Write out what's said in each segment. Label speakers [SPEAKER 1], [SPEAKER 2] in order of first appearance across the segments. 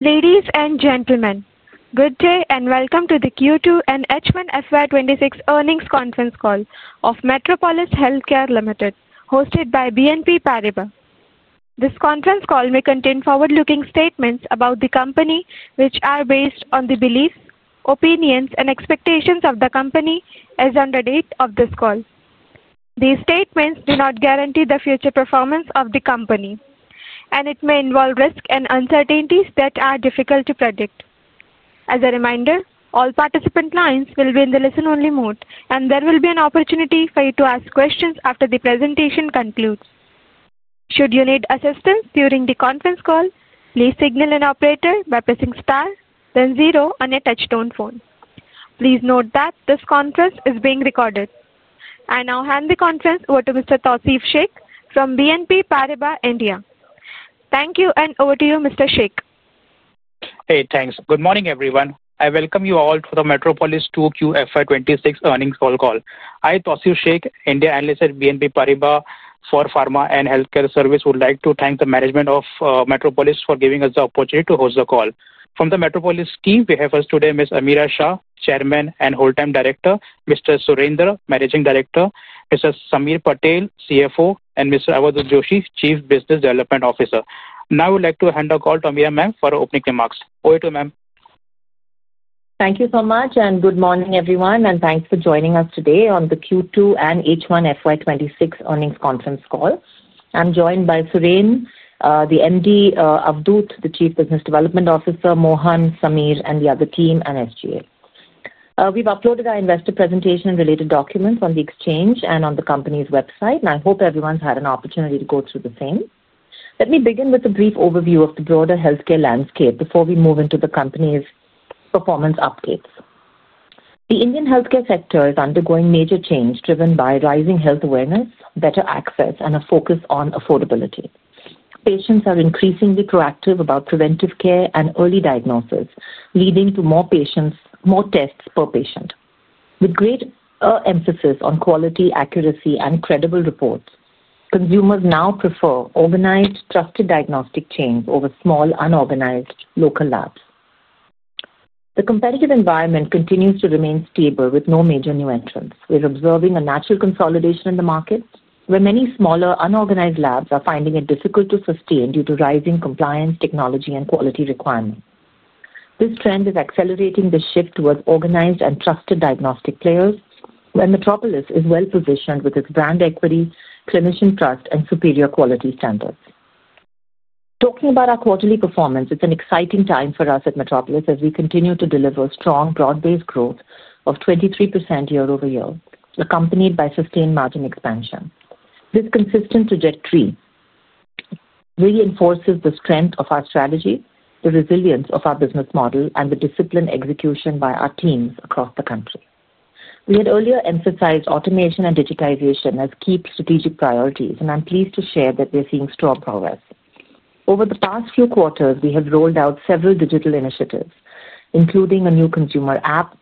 [SPEAKER 1] Ladies and gentlemen, good day and welcome to the Q2 and H1 FY2026 earnings conference call of Metropolis Healthcare Limited, hosted by BNP Paribas. This conference call may contain forward-looking statements about the company, which are based on the beliefs, opinions, and expectations of the company as of the date of this call. These statements do not guarantee the future performance of the company. It may involve risks and uncertainties that are difficult to predict. As a reminder, all participant lines will be in the listen-only mode, and there will be an opportunity for you to ask questions after the presentation concludes. Should you need assistance during the conference call, please signal an operator by pressing star, then zero on your touch-tone phone. Please note that this conference is being recorded. I now hand the conference over to Mr. Tasir Sheikh from BNP Paribas, India. Thank you, and over to you, Mr. Sheikh.
[SPEAKER 2] Hey, thanks. Good morning, everyone. I welcome you all to the Metropolis 2Q FY2026 earnings call. I am Tasir Sheikh, India analyst at BNP Paribas for Pharma and Healthcare Service, would like to thank the management of Metropolis for giving us the opportunity to host the call. From the Metropolis team, we have with us today Ms. Ameera Shah, Chairman and Whole Time Director; Mr. Surendran, Managing Director; Mr. Sameer Patel, CFO; and Mr. Awadhoot Joshi, Chief Business Development Officer. Now, I would like to hand the call to Ameera ma'am for opening remarks. Over to you, ma'am.
[SPEAKER 3] Thank you so much, and good morning, everyone, and thanks for joining us today on the Q2 and H1 FY 2026 earnings conference call. I'm joined by Suren, the MD, Avadhut, the Chief Business Development Officer, Mohan, Sameer, and the other team and SGA. We've uploaded our investor presentation and related documents on the exchange and on the company's website, and I hope everyone's had an opportunity to go through the same. Let me begin with a brief overview of the broader healthcare landscape before we move into the company's performance updates. The Indian healthcare sector is undergoing major change driven by rising health awareness, better access, and a focus on affordability. Patients are increasingly proactive about preventive care and early diagnosis, leading to more tests per patient. With great emphasis on quality, accuracy, and credible reports, consumers now prefer organized, trusted diagnostic chains over small, unorganized local labs. The competitive environment continues to remain stable with no major new entrants. We're observing a natural consolidation in the market where many smaller, unorganized labs are finding it difficult to sustain due to rising compliance, technology, and quality requirements. This trend is accelerating the shift towards organized and trusted diagnostic players where Metropolis is well-positioned with its brand equity, clinician trust, and superior quality standards. Talking about our quarterly performance, it's an exciting time for us at Metropolis as we continue to deliver strong broad-based growth of 23% year-over-year, accompanied by sustained margin expansion. This consistent trajectory reinforces the strength of our strategy, the resilience of our business model, and the disciplined execution by our teams across the country. We had earlier emphasized automation and digitization as key strategic priorities, and I'm pleased to share that we're seeing strong progress. Over the past few quarters, we have rolled out several digital initiatives, including a new Consumer App,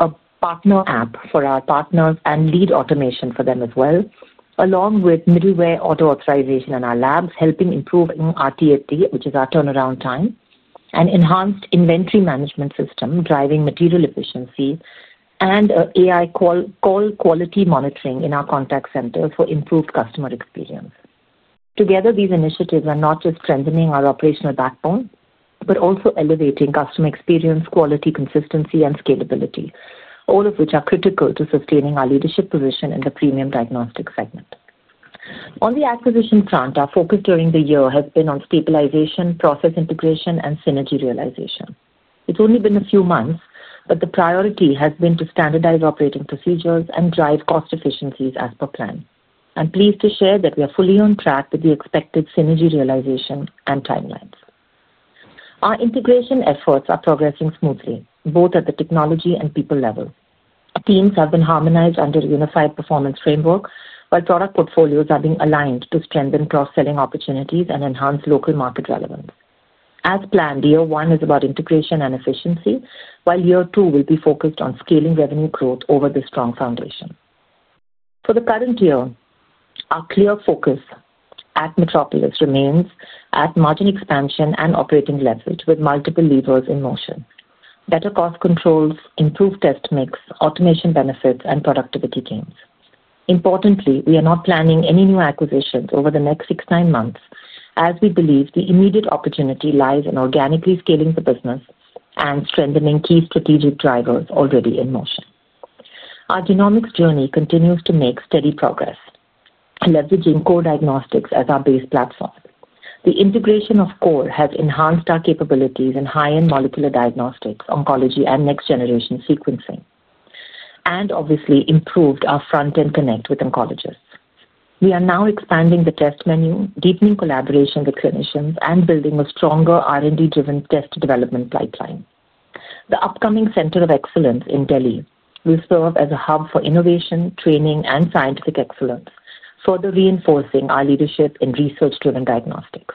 [SPEAKER 3] a partner app for our partners and lead automation for them as well, along with middleware auto-authorization in our labs, helping improve our TFT, which is our turnaround time, an enhanced inventory management system driving material efficiency, and AI call quality monitoring in our contact center for improved customer experience. Together, these initiatives are not just strengthening our operational backbone but also elevating customer experience, quality, consistency, and scalability, all of which are critical to sustaining our leadership position in the premium diagnostic segment. On the acquisition front, our focus during the year has been on stabilization, process integration, and synergy realization. It's only been a few months, but the priority has been to standardize operating procedures and drive cost efficiencies as per plan. I'm pleased to share that we are fully on track with the expected synergy realization and timelines. Our integration efforts are progressing smoothly, both at the technology and people level. Teams have been harmonized under a unified performance framework, while product portfolios are being aligned to strengthen cross-selling opportunities and enhance local market relevance. As planned, year one is about integration and efficiency, while year two will be focused on scaling revenue growth over this strong foundation. For the current year, our clear focus at Metropolis remains at margin expansion and operating levels with multiple levers in motion: better cost controls, improved test mix, automation benefits, and productivity gains. Importantly, we are not planning any new acquisitions over the next six to nine months, as we believe the immediate opportunity lies in organically scaling the business and strengthening key strategic drivers already in motion. Our genomics journey continues to make steady progress. Leveraging Core Diagnostics as our base platform. The integration of Core has enhanced our capabilities in high-end molecular diagnostics, oncology, and next-generation sequencing. Obviously, improved our front-end connect with oncologists. We are now expanding the test menu, deepening collaboration with clinicians, and building a stronger R&D-driven test development pipeline. The upcoming center of excellence in Delhi will serve as a hub for innovation, training, and scientific excellence, further reinforcing our leadership in research-driven diagnostics.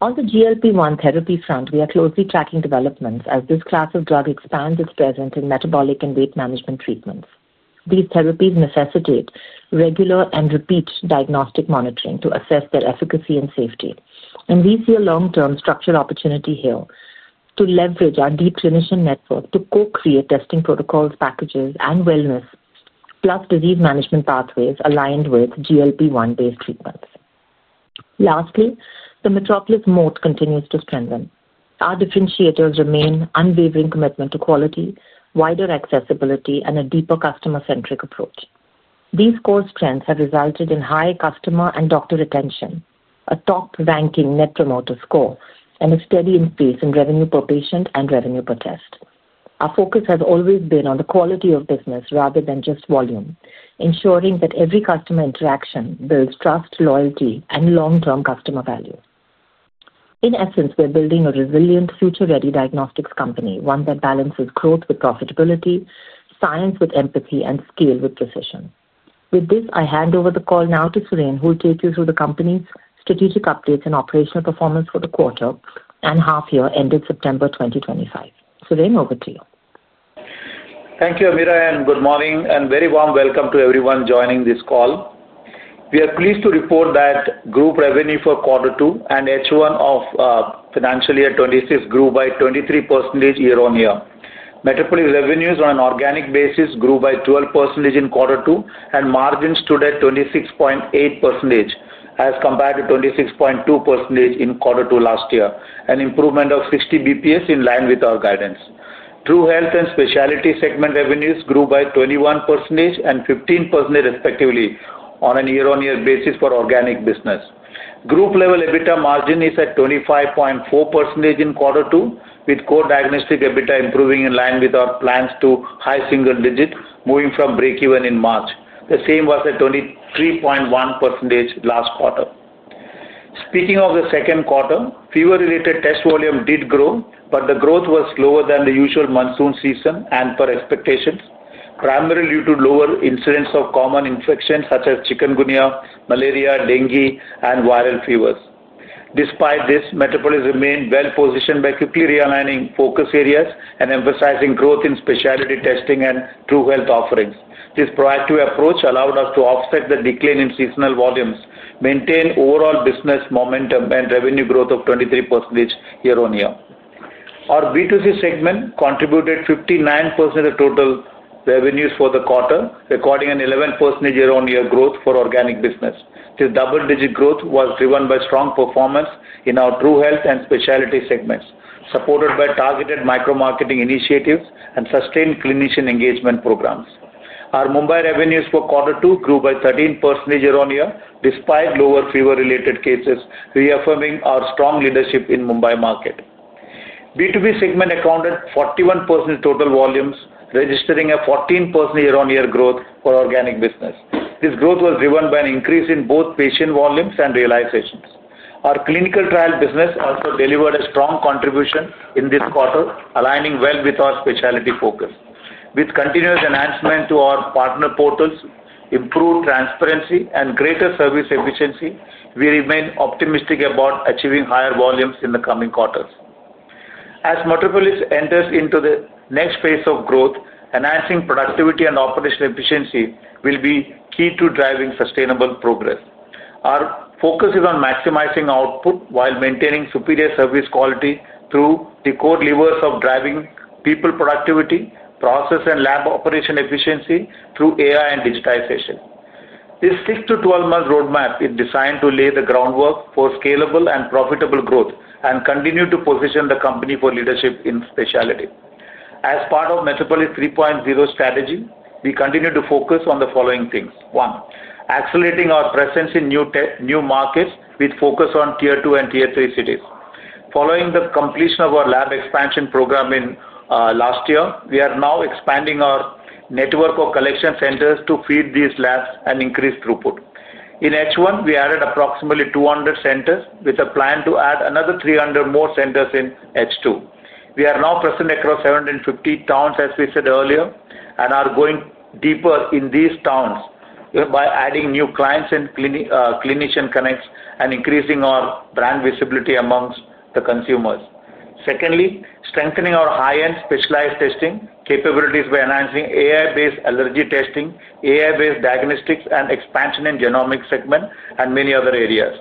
[SPEAKER 3] On the GLP-1 therapy front, we are closely tracking developments as this class of drug expands its presence in metabolic and weight management treatments. These therapies necessitate regular and repeat diagnostic monitoring to assess their efficacy and safety. We see a long-term structural opportunity here to leverage our deep clinician network to co-create testing protocols, packages, and wellness, plus disease management pathways aligned with GLP-1-based treatments. Lastly, the Metropolis moat continues to strengthen. Our differentiators remain unwavering commitment to quality, wider accessibility, and a deeper customer-centric approach. These core strengths have resulted in high customer and doctor retention, a top-ranking Net Promoter Score, and a steady increase in revenue per patient and revenue per test. Our focus has always been on the quality of business rather than just volume, ensuring that every customer interaction builds trust, loyalty, and long-term customer value. In essence, we're building a resilient, future-ready diagnostics company, one that balances growth with profitability, science with empathy, and scale with precision. With this, I hand over the call now to Suren, who will take you through the company's strategic updates and operational performance for the quarter and half-year ended September 2025. Suren, over to you.
[SPEAKER 4] Thank you, Ameera, and good morning, and very warm welcome to everyone joining this call. We are pleased to report that group revenue for quarter two and H1 of financial year 2026 grew by 23% year-on-year. Metropolis revenues on an organic basis grew by 12% in quarter two, and margins stood at 26.8% as compared to 26.2% in quarter two last year, an improvement of 60 basis points in line with our guidance. True Health and specialty segment revenues grew by 21% and 15%, respectively, on a year-on-year basis for organic business. Group-level EBITDA margin is at 25.4% in quarter two, with core diagnostic EBITDA improving in line with our plans to high single digit, moving from break-even in March. The same was at 23.1% last quarter. Speaking of the second quarter, fever-related test volume did grow, but the growth was slower than the usual monsoon season and per expectations, primarily due to lower incidence of common infections such as chikungunya, malaria, dengue, and viral fevers. Despite this, Metropolis remained well-positioned by quickly realigning focus areas and emphasizing growth in specialty testing and True Health offerings. This proactive approach allowed us to offset the decline in seasonal volumes, maintain overall business momentum, and revenue growth of 23% year-on-year. Our B2C segment contributed 59% of total revenues for the quarter, recording an 11% year-on-year growth for organic business. This double-digit growth was driven by strong performance in our True Health and specialty segments, supported by targeted micro-marketing initiatives and sustained clinician engagement programs. Our Mumbai revenues for quarter two grew by 13% year-on-year, despite lower fever-related cases, reaffirming our strong leadership in the Mumbai market. B2B segment accounted for 41% total volumes, registering a 14% year-on-year growth for organic business. This growth was driven by an increase in both patient volumes and realizations. Our clinical trial business also delivered a strong contribution in this quarter, aligning well with our specialty focus. With continuous enhancement to our partner portals, improved transparency, and greater service efficiency, we remain optimistic about achieving higher volumes in the coming quarters. As Metropolis enters into the next phase of growth, enhancing productivity and operational efficiency will be key to driving sustainable progress. Our focus is on maximizing output while maintaining superior service quality through the core levers of driving people productivity, process, and lab operation efficiency through AI and digitization. This 6-12 month roadmap is designed to lay the groundwork for scalable and profitable growth and continue to position the company for leadership in specialty. As part of Metropolis 3.0 strategy, we continue to focus on the following things: one, accelerating our presence in new markets with focus on tier two and tier three cities. Following the completion of our lab expansion program last year, we are now expanding our network of collection centers to feed these labs and increase throughput. In H1, we added approximately 200 centers with a plan to add another 300 more centers in H2. We are now present across 750 towns, as we said earlier, and are going deeper in these towns by adding new clients and clinician connects and increasing our brand visibility amongst the consumers. Secondly, strengthening our high-end specialized testing capabilities by enhancing AI-based allergy testing, AI-based diagnostics, and expansion in genomic segment and many other areas.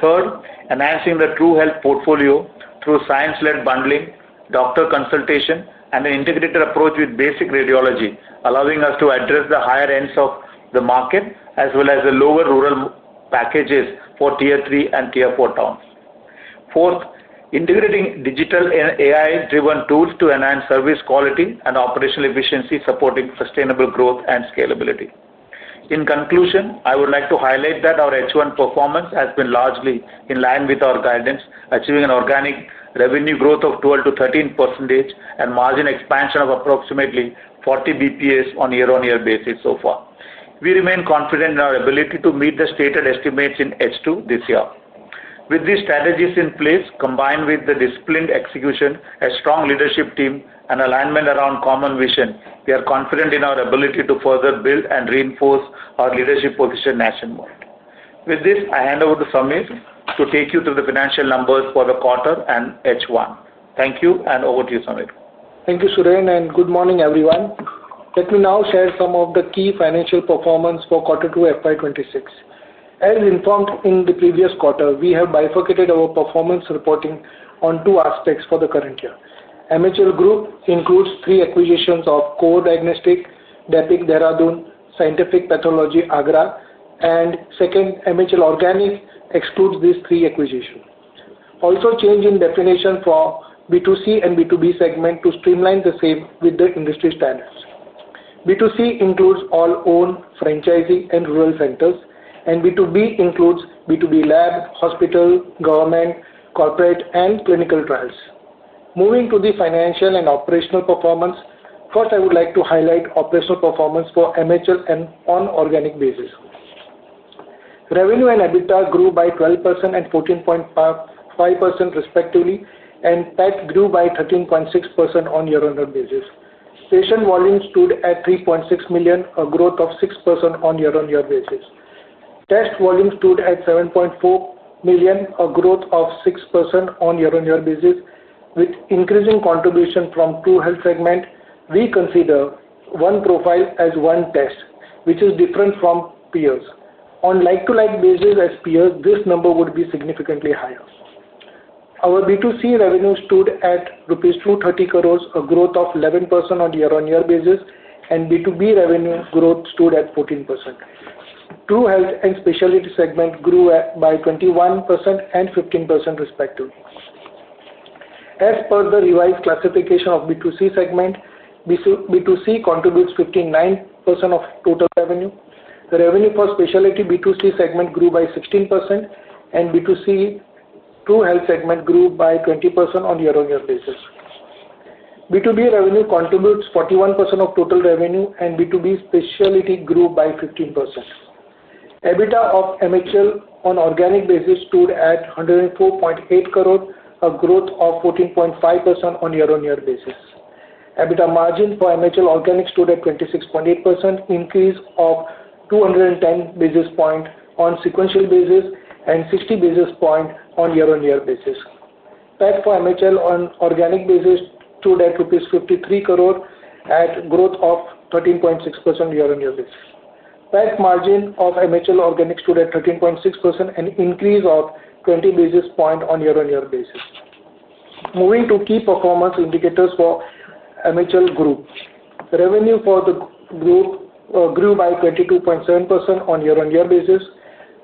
[SPEAKER 4] Third, enhancing the True Health portfolio through science-led bundling, doctor consultation, and an integrated approach with basic radiology, allowing us to address the higher ends of the market as well as the lower rural packages for tier three and tier four towns. Fourth, integrating digital and AI-driven tools to enhance service quality and operational efficiency, supporting sustainable growth and scalability. In conclusion, I would like to highlight that our H1 performance has been largely in line with our guidance, achieving an organic revenue growth of 12-13% and margin expansion of approximately 40 basis points on a year-on-year basis so far. We remain confident in our ability to meet the stated estimates in H2 this year. With these strategies in place, combined with the disciplined execution, a strong leadership team, and alignment around common vision, we are confident in our ability to further build and reinforce our leadership position nationwide. With this, I hand over to Sameer to take you through the financial numbers for the quarter and H1. Thank you, and over to you, Sameer.
[SPEAKER 5] Thank you, Suren, and good morning, everyone. Let me now share some of the key financial performance for quarter two FY 2026. As informed in the previous quarter, we have bifurcated our performance reporting on two aspects for the current year. MHL Group includes three acquisitions of Core Diagnostics, Dr. Ahuja's Pathology, Dehradun, Scientific Pathology, Agra, and second, MHL Organic excludes these three acquisitions. Also, change in definition for B2C and B2B segment to streamline the same with the industry standards. B2C includes all own franchising and rural centers, and B2B includes B2B lab, hospital, government, corporate, and clinical trials. Moving to the financial and operational performance, first, I would like to highlight operational performance for MHL and on organic basis. Revenue and EBITDA grew by 12% and 14.5%, respectively, and PAT grew by 13.6% on year-on-year basis. Patient volume stood at 3.6 million, a growth of 6% on year-on-year basis. Test volume stood at 7.4 million, a growth of 6% on year-on-year basis. With increasing contribution from True Health segment, we consider one profile as one test, which is different from peers. On like-to-like basis as peers, this number would be significantly higher. Our B2C revenue stood at 230 crore rupees, a growth of 11% on year-on-year basis, and B2B revenue growth stood at 14%. True Health and specialty segment grew by 21% and 15%, respectively. As per the revised classification of B2C segment, B2C contributes 59% of total revenue. The revenue for specialty B2C segment grew by 16%, and B2C True Health segment grew by 20% on year-on-year basis. B2B revenue contributes 41% of total revenue, and B2B specialty grew by 15%. EBITDA of MHL on organic basis stood at 104.8 crore, a growth of 14.5% on year-on-year basis. EBITDA margin for MHL organic stood at 26.8%, increase of 210 basis points on sequential basis and 60 basis points on year-on-year basis. PAT for MHL on organic basis stood at rupees 530 million crore at growth of 13.6% year-on-year basis. PAT margin of MHL organic stood at 13.6% and increased of 20 basis points on year-on-year basis. Moving to key performance indicators for MHL Group. Revenue for the group grew by 22.7% on year-on-year basis.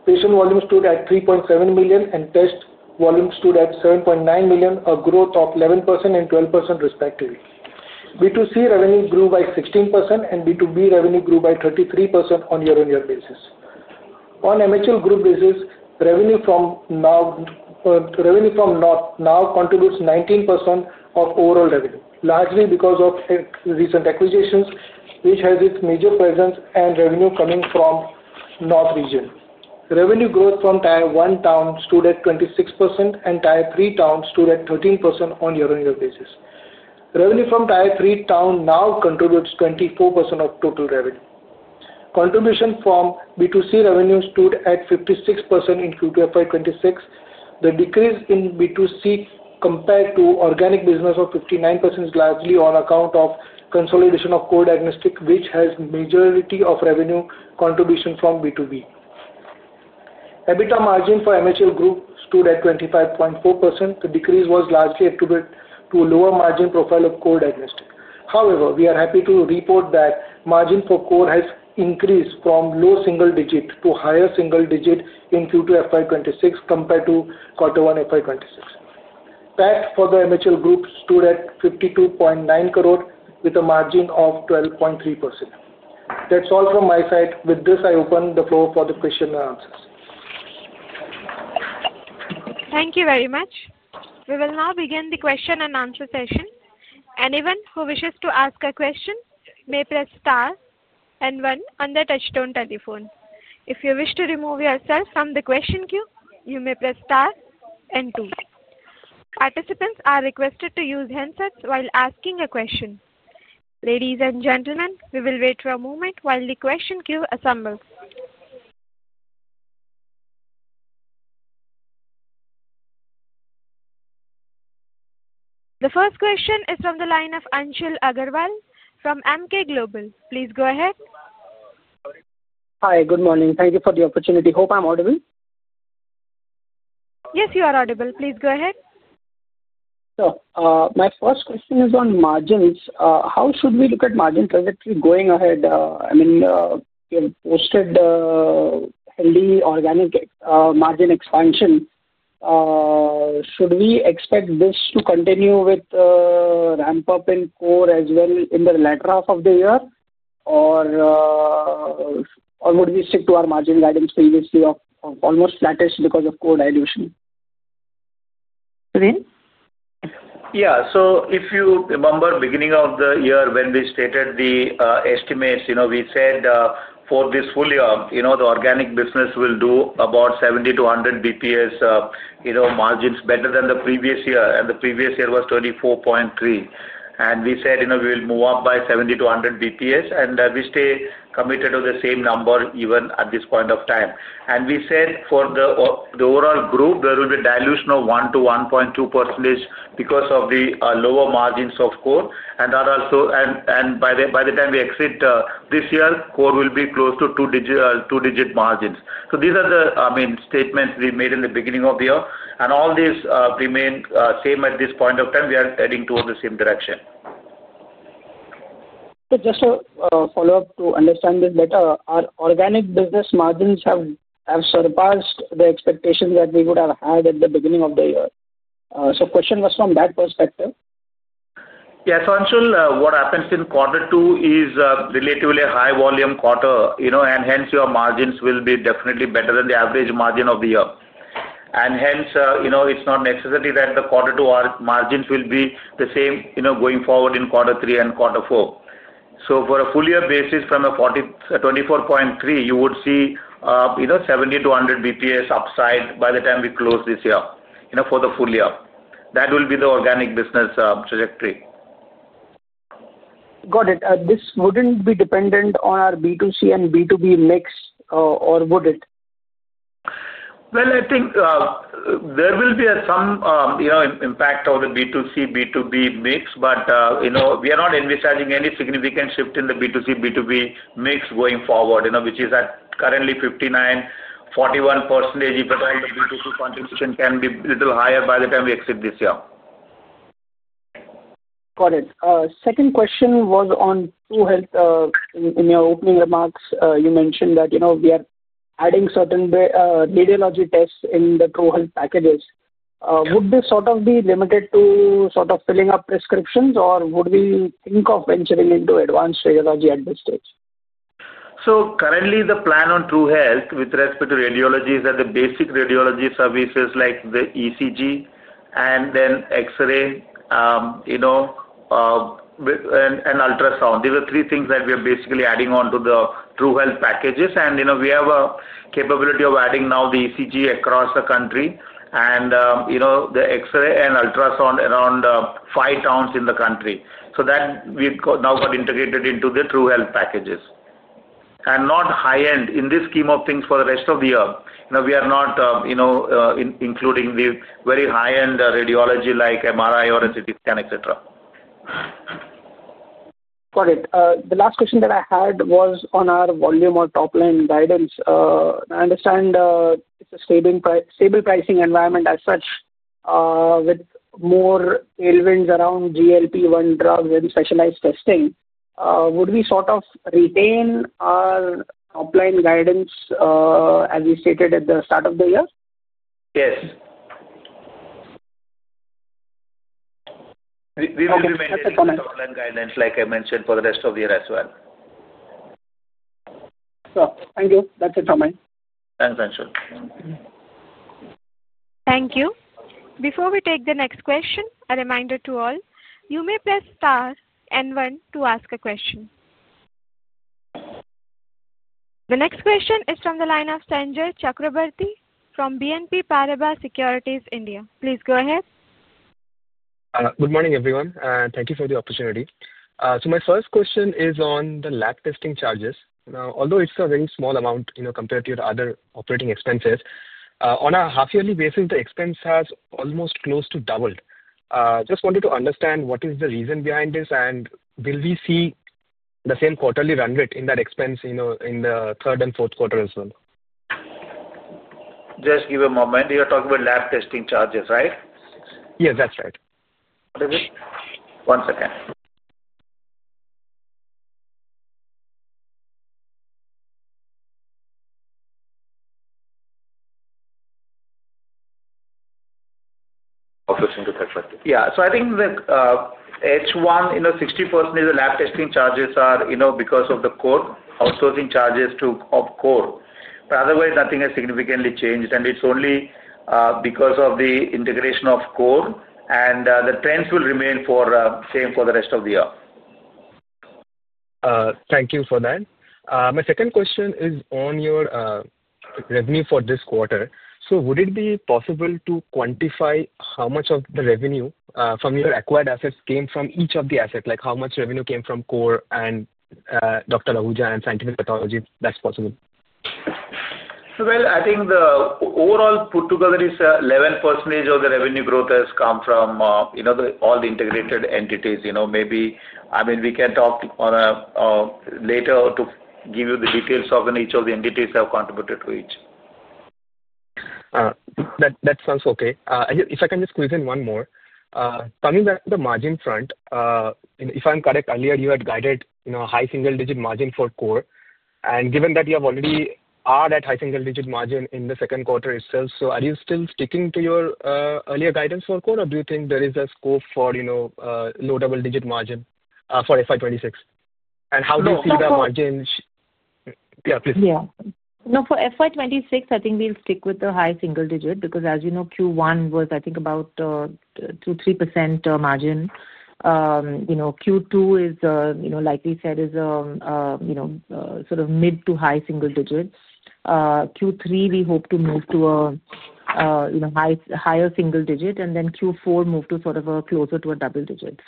[SPEAKER 5] Patient volume stood at 3.7 million and test volume stood at 7.9 million, a growth of 11% and 12%, respectively. B2C revenue grew by 16% and B2B revenue grew by 33% on year-on-year basis. On MHL Group basis, revenue from North contributes 19% of overall revenue, largely because of recent acquisitions, which has its major presence and revenue coming from North region. Revenue growth from tier one town stood at 26% and tier three town stood at 13% on year-on-year basis. Revenue from tier three town now contributes 24% of total revenue. Contribution from B2C revenue stood at 56% in Q2 FY26. The decrease in B2C compared to organic business of 59% is largely on account of consolidation of Core Diagnostics, which has majority of revenue contribution from B2B. EBITDA margin for MHL Group stood at 25.4%. The decrease was largely attributed to a lower margin profile of Core Diagnostics. However, we are happy to report that margin for Core has increased from low single digit to higher single digit in Q2 FY26 compared to quarter one FY 2026. PAT for the MHL Group stood at 52.9 crore with a margin of 12.3%. That's all from my side. With this, I open the floor for the question and answers.
[SPEAKER 1] Thank you very much. We will now begin the question-and-answer session. Anyone who wishes to ask a question may press star and one on the touchstone telephone. If you wish to remove yourself from the question queue, you may press star and two. Participants are requested to use handsets while asking a question. Ladies and gentlemen, we will wait for a moment while the question queue assembles. The first question is from the line of Anshul Agarwal from Emkay Global. Please go ahead.
[SPEAKER 6] Hi, good morning. Thank you for the opportunity. Hope I'm audible.
[SPEAKER 1] Yes, you are audible. Please go ahead.
[SPEAKER 6] Sure. My first question is on margins. How should we look at margins as we're going ahead? I mean, we have posted healthy organic margin expansion. Should we expect this to continue with ramp up in core as well in the latter half of the year, or would we stick to our margin guidance previously of almost flattish because of core dilution?
[SPEAKER 1] Suren.
[SPEAKER 4] Yeah. If you remember, beginning of the year when we stated the estimates, we said for this full year, the organic business will do about 70-100 basis points margins better than the previous year, and the previous year was 24.3%. We said we will move up by 70-100 basis points, and we stay committed to the same number even at this point of time. We said for the overall group, there will be dilution of 1%-1.2% because of the lower margins of Core. By the time we exit this year, Core will be close to two-digit margins. These are the, I mean, statements we made in the beginning of the year, and all these remain the same at this point of time. We are heading toward the same direction.
[SPEAKER 6] Just a follow-up to understand this better. Our organic business margins have surpassed the expectations that we would have had at the beginning of the year. The question was from that perspective.
[SPEAKER 4] Yeah. So Anshil, what happens in quarter two is a relatively high-volume quarter, and hence your margins will be definitely better than the average margin of the year. Hence, it is not necessary that the quarter two margins will be the same going forward in quarter three and quarter four. For a full-year basis from a 24.3, you would see 70-100 basis points upside by the time we close this year for the full year. That will be the organic business trajectory.
[SPEAKER 6] Got it. This wouldn't be dependent on our B2C and B2B mix, or would it?
[SPEAKER 4] I think there will be some impact of the B2C, B2B mix, but we are not envisaging any significant shift in the B2C, B2B mix going forward, which is currently 59%, 41%. If the B2C contribution can be a little higher by the time we exit this year.
[SPEAKER 6] Got it. Second question was on True Health. In your opening remarks, you mentioned that we are adding certain radiology tests in the True Health packages. Would this sort of be limited to sort of filling up prescriptions, or would we think of venturing into advanced radiology at this stage?
[SPEAKER 4] Currently, the plan on True Health with respect to radiology is that the basic radiology services like the ECG and then X-ray and ultrasound. These are three things that we are basically adding onto the True Health packages, and we have a capability of adding now the ECG across the country and the X-ray and ultrasound around five towns in the country. We have now got these integrated into the True Health packages and not high-end. In this scheme of things for the rest of the year, we are not including the very high-end radiology like MRI or a CT scan, etc.
[SPEAKER 6] Got it. The last question that I had was on our volume or top-line guidance. I understand it's a stable pricing environment as such. With more tailwinds around GLP-1 drugs and specialized testing, would we sort of retain our top-line guidance as we stated at the start of the year?
[SPEAKER 4] Yes. We will remain with the top-line guidance, like I mentioned, for the rest of the year as well.
[SPEAKER 6] Sure. Thank you. That's it from me.
[SPEAKER 4] Thanks, Anshul.
[SPEAKER 1] Thank you. Before we take the next question, a reminder to all, you may press star and one to ask a question. The next question is from the line of Sanjay Chakrabarty from BNP Paribas Securities India. Please go ahead.
[SPEAKER 7] Good morning, everyone. Thank you for the opportunity. My first question is on the lab testing charges. Now, although it is a very small amount compared to your other operating expenses, on a half-yearly basis, the expense has almost close to doubled. Just wanted to understand what is the reason behind this, and will we see the same quarterly run rate in that expense in the third and fourth quarter as well?
[SPEAKER 4] Just give a moment. You're talking about lab testing charges, right?
[SPEAKER 7] Yes, that's right.
[SPEAKER 4] What is it? One second. Yeah. I think the H1, 60% of the lab testing charges are because of the core outsourcing charges to Core. Otherwise, nothing has significantly changed, and it is only because of the integration of Core, and the trends will remain the same for the rest of the year.
[SPEAKER 7] Thank you for that. My second question is on your revenue for this quarter. Would it be possible to quantify how much of the revenue from your acquired assets came from each of the assets, like how much revenue came from Core and Dr. Ahuja and Scientific Pathology? That's possible.
[SPEAKER 4] I think the overall put together is 11% of the revenue growth has come from all the integrated entities. Maybe, I mean, we can talk on later to give you the details of each of the entities that have contributed to each.
[SPEAKER 7] That sounds okay. If I can just quiz in one more. Coming back to the margin front. If I'm correct, earlier you had guided a high single-digit margin for core. Given that you have already had a high single-digit margin in the second quarter itself, are you still sticking to your earlier guidance for core, or do you think there is a scope for a low double-digit margin for FY 2026? How do you see the margin? Yeah, please.
[SPEAKER 3] Yeah. No, for FY 2026, I think we'll stick with the high single-digit because, as you know, Q1 was, I think, about 2%-3% margin. Q2, like we said, is sort of mid to high single digit. Q3, we hope to move to a higher single digit, and then Q4 move to sort of closer to a double digit.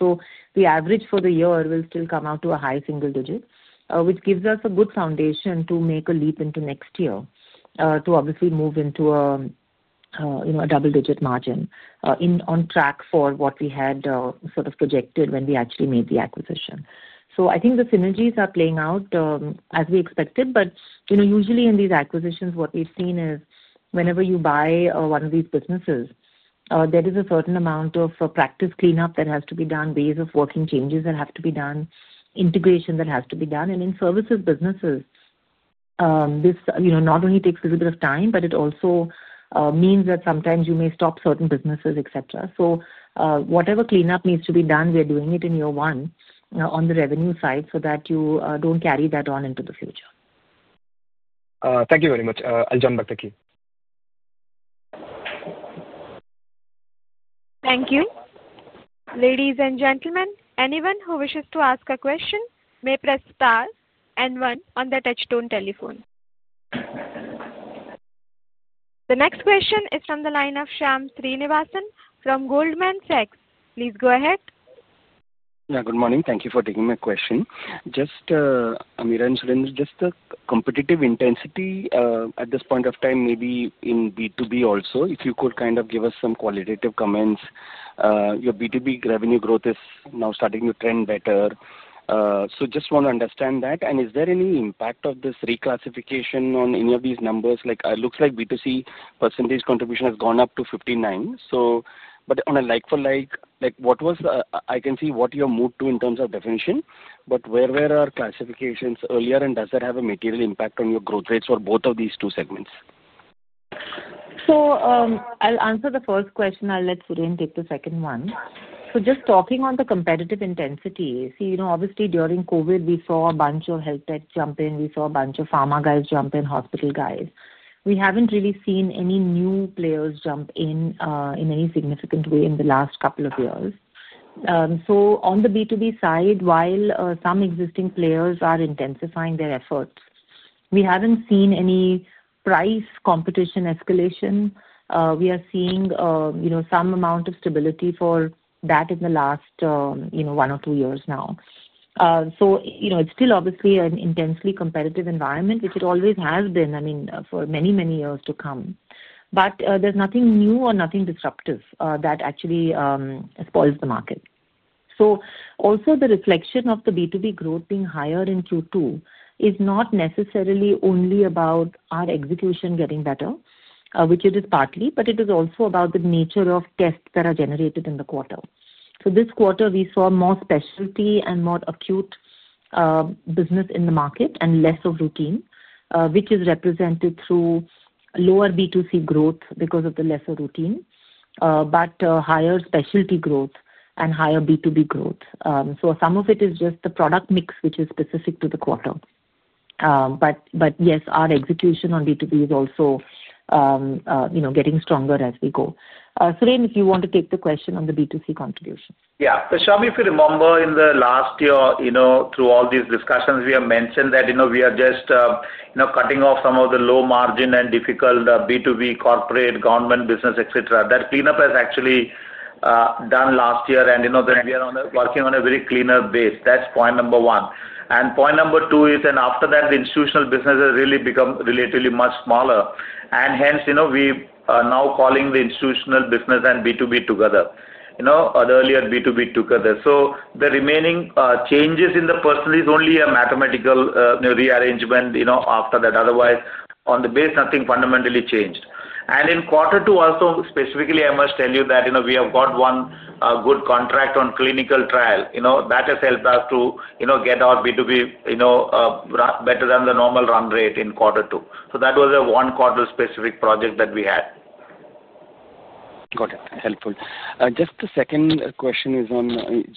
[SPEAKER 3] The average for the year will still come out to a high single digit, which gives us a good foundation to make a leap into next year to obviously move into a double-digit margin on track for what we had sort of projected when we actually made the acquisition. I think the synergies are playing out as we expected, but usually in these acquisitions, what we've seen is whenever you buy one of these businesses, there is a certain amount of practice cleanup that has to be done, ways of working changes that have to be done, integration that has to be done. In services businesses, this not only takes a little bit of time, but it also means that sometimes you may stop certain businesses, etc. Whatever cleanup needs to be done, we are doing it in year one on the revenue side so that you don't carry that on into the future.
[SPEAKER 7] Thank you very much. I'll jump back to the queue.
[SPEAKER 1] Thank you. Ladies and gentlemen, anyone who wishes to ask a question may press star and one on the touchstone telephone. The next question is from the line of Shyam Srinivasan from Goldman Sachs. Please go ahead.
[SPEAKER 8] Yeah. Good morning. Thank you for taking my question. Just. Ameera and Suren, just the competitive intensity at this point of time, maybe in B2B also, if you could kind of give us some qualitative comments. Your B2B revenue growth is now starting to trend better. Just want to understand that. Is there any impact of this reclassification on any of these numbers? It looks like B2C percentage contribution has gone up to 59%. On a like-for-like, I can see what you have moved to in terms of definition, but where were our classifications earlier, and does that have a material impact on your growth rates for both of these two segments?
[SPEAKER 3] I'll answer the first question. I'll let Suren take the second one. Just talking on the competitive intensity, obviously, during COVID, we saw a bunch of health tech jump in. We saw a bunch of pharma guys jump in, hospital guys. We haven't really seen any new players jump in in any significant way in the last couple of years. On the B2B side, while some existing players are intensifying their efforts, we haven't seen any price competition escalation. We are seeing some amount of stability for that in the last one or two years now. It's still obviously an intensely competitive environment, which it always has been, I mean, for many, many years to come. There's nothing new or nothing disruptive that actually spoils the market. Also, the reflection of the B2B growth being higher in Q2 is not necessarily only about our execution getting better, which it is partly, but it is also about the nature of tests that are generated in the quarter. This quarter, we saw more specialty and more acute business in the market and less of routine, which is represented through lower B2C growth because of the lesser routine, but higher specialty growth and higher B2B growth. Some of it is just the product mix, which is specific to the quarter. Yes, our execution on B2B is also getting stronger as we go. Suren, if you want to take the question on the B2C contribution.
[SPEAKER 4] Yeah. So Shah, if you remember, in the last year, through all these discussions, we have mentioned that we are just cutting off some of the low margin and difficult B2B corporate government business, etc., that cleanup has actually been done last year, and we are working on a very cleaner base. That's point number one. Point number two is, after that, the institutional business has really become relatively much smaller. Hence, we are now calling the institutional business and B2B together, the earlier B2B together. The remaining changes in the person is only a mathematical rearrangement after that. Otherwise, on the base, nothing fundamentally changed. In quarter two also, specifically, I must tell you that we have got one good contract on clinical trial. That has helped us to get our B2B better than the normal run rate in quarter two. That was a one-quarter specific project that we had.
[SPEAKER 8] Got it. Helpful. Just the second question is on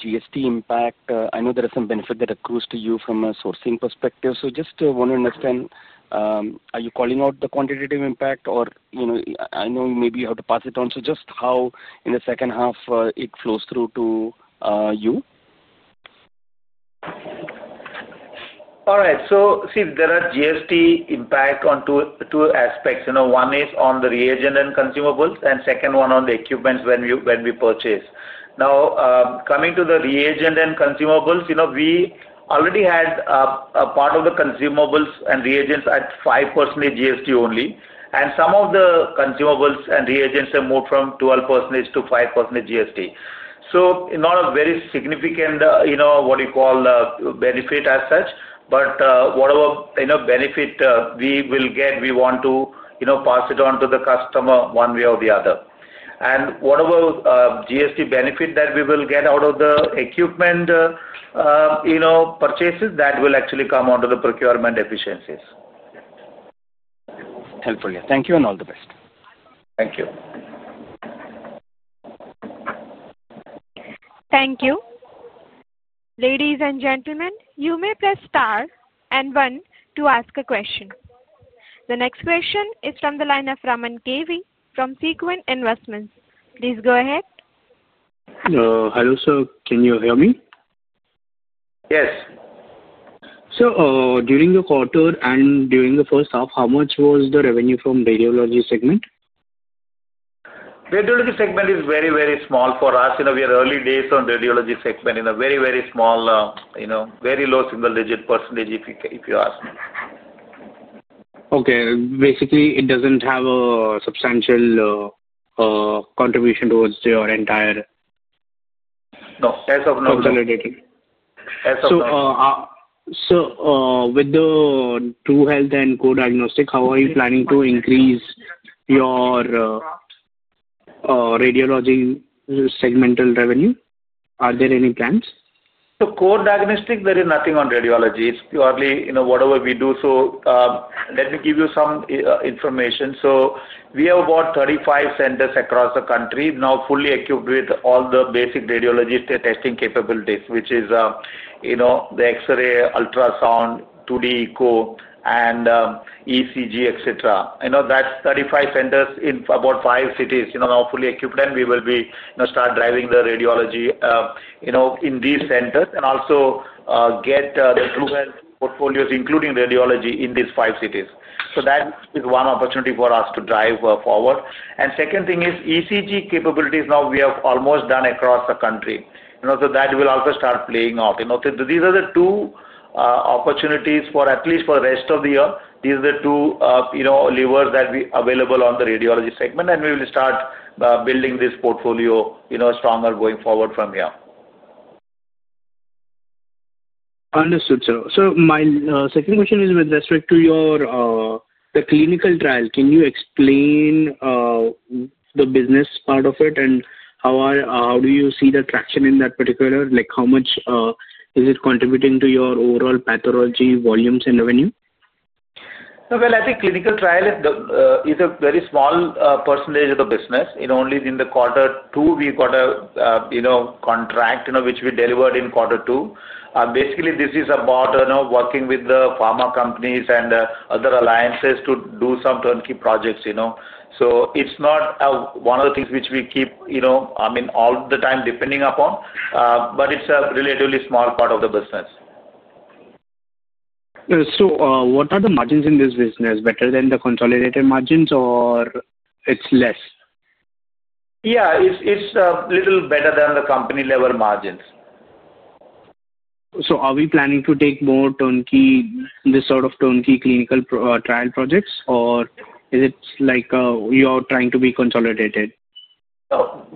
[SPEAKER 8] GST impact. I know there are some benefits that accrue to you from a sourcing perspective. So just want to understand. Are you calling out the quantitative impact, or I know maybe you have to pass it on. Just how, in the second half, it flows through to you?
[SPEAKER 4] All right. See, there are GST impacts on two aspects. One is on the reagent and consumables, and the second one on the equipment when we purchase. Now, coming to the reagent and consumables, we already had a part of the consumables and reagents at 5% GST only. Some of the consumables and reagents have moved from 12%-5% GST. Not a very significant, what you call, benefit as such, but whatever benefit we will get, we want to pass it on to the customer one way or the other. Whatever GST benefit that we will get out of the equipment purchases, that will actually come under the procurement efficiencies.
[SPEAKER 8] Helpful. Thank you, and all the best.
[SPEAKER 4] Thank you.
[SPEAKER 1] Thank you. Ladies and gentlemen, you may press star and one to ask a question. The next question is from the line of Raman Kavi from Sequin Investments. Please go ahead.
[SPEAKER 9] Hello. Can you hear me?
[SPEAKER 4] Yes.
[SPEAKER 9] During the quarter and during the first half, how much was the revenue from radiology segment?
[SPEAKER 4] Radiology segment is very, very small for us. We are early days on radiology segment, very, very small. Very low single-digit percentage, if you ask me.
[SPEAKER 9] Okay. Basically, it doesn't have a substantial contribution towards your entire.
[SPEAKER 4] No. As of now.
[SPEAKER 9] With the True Health and Core Diagnostics, how are you planning to increase your radiology segmental revenue? Are there any plans?
[SPEAKER 4] Core Diagnostics, there is nothing on radiology. It is purely whatever we do. Let me give you some information. We have about 35 centers across the country, now fully equipped with all the basic radiology testing capabilities, which is the X-ray, ultrasound, 2D echo, and ECG, etc. That is 35 centers in about five cities now fully equipped, and we will start driving the radiology in these centers and also get the True Health portfolios, including radiology, in these five cities. That is one opportunity for us to drive forward. The second thing is ECG capabilities now we have almost done across the country. That will also start playing out. These are the two opportunities for at least for the rest of the year. These are the two. Levers that are available on the radiology segment, and we will start building this portfolio stronger going forward from here.
[SPEAKER 9] Understood. My second question is with respect to the clinical trial. Can you explain the business part of it, and how do you see the traction in that particular? How much is it contributing to your overall pathology volumes and revenue?
[SPEAKER 4] I think clinical trial is a very small percentage of the business. Only in quarter two, we got a contract which we delivered in quarter two. Basically, this is about working with the pharma companies and other alliances to do some turnkey projects. It is not one of the things which we keep, I mean, all the time depending upon, but it is a relatively small part of the business.
[SPEAKER 9] What are the margins in this business? Better than the consolidated margins, or it's less?
[SPEAKER 4] Yeah. It's a little better than the company-level margins.
[SPEAKER 9] Are we planning to take more turnkey, this sort of turnkey clinical trial projects, or is it like you are trying to be consolidated?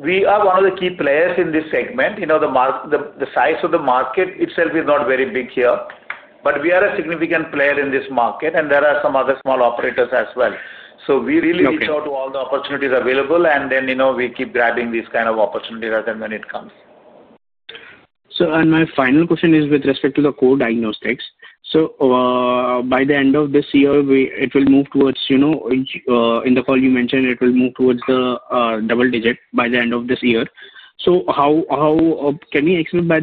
[SPEAKER 4] We are one of the key players in this segment. The size of the market itself is not very big here, but we are a significant player in this market, and there are some other small operators as well. We really reach out to all the opportunities available, and then we keep grabbing these kind of opportunities when it comes.
[SPEAKER 9] My final question is with respect to the Core Diagnostics. By the end of this year, it will move towards—in the call you mentioned, it will move towards the double digit by the end of this year. Can we expect by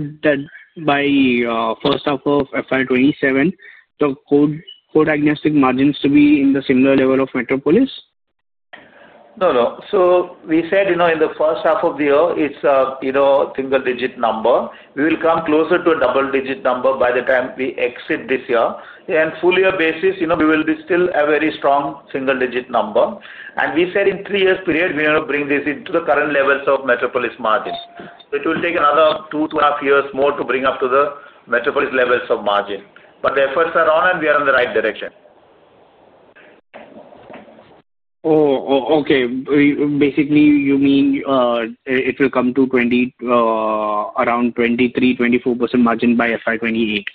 [SPEAKER 9] the first half of FY2027, the Core Diagnostics margins to be in the similar level of Metropolis?
[SPEAKER 4] No, no. We said in the first half of the year, it is a single-digit number. We will come closer to a double-digit number by the time we exit this year. On a full-year basis, we will still be a very strong single-digit number. We said in a three-year period, we will bring this into the current levels of Metropolis margins. It will take another two to two and a half years more to bring up to the Metropolis levels of margin. The efforts are on, and we are in the right direction.
[SPEAKER 9] Oh, okay. Basically, you mean it will come to around 23%-24% margin by FY 2028,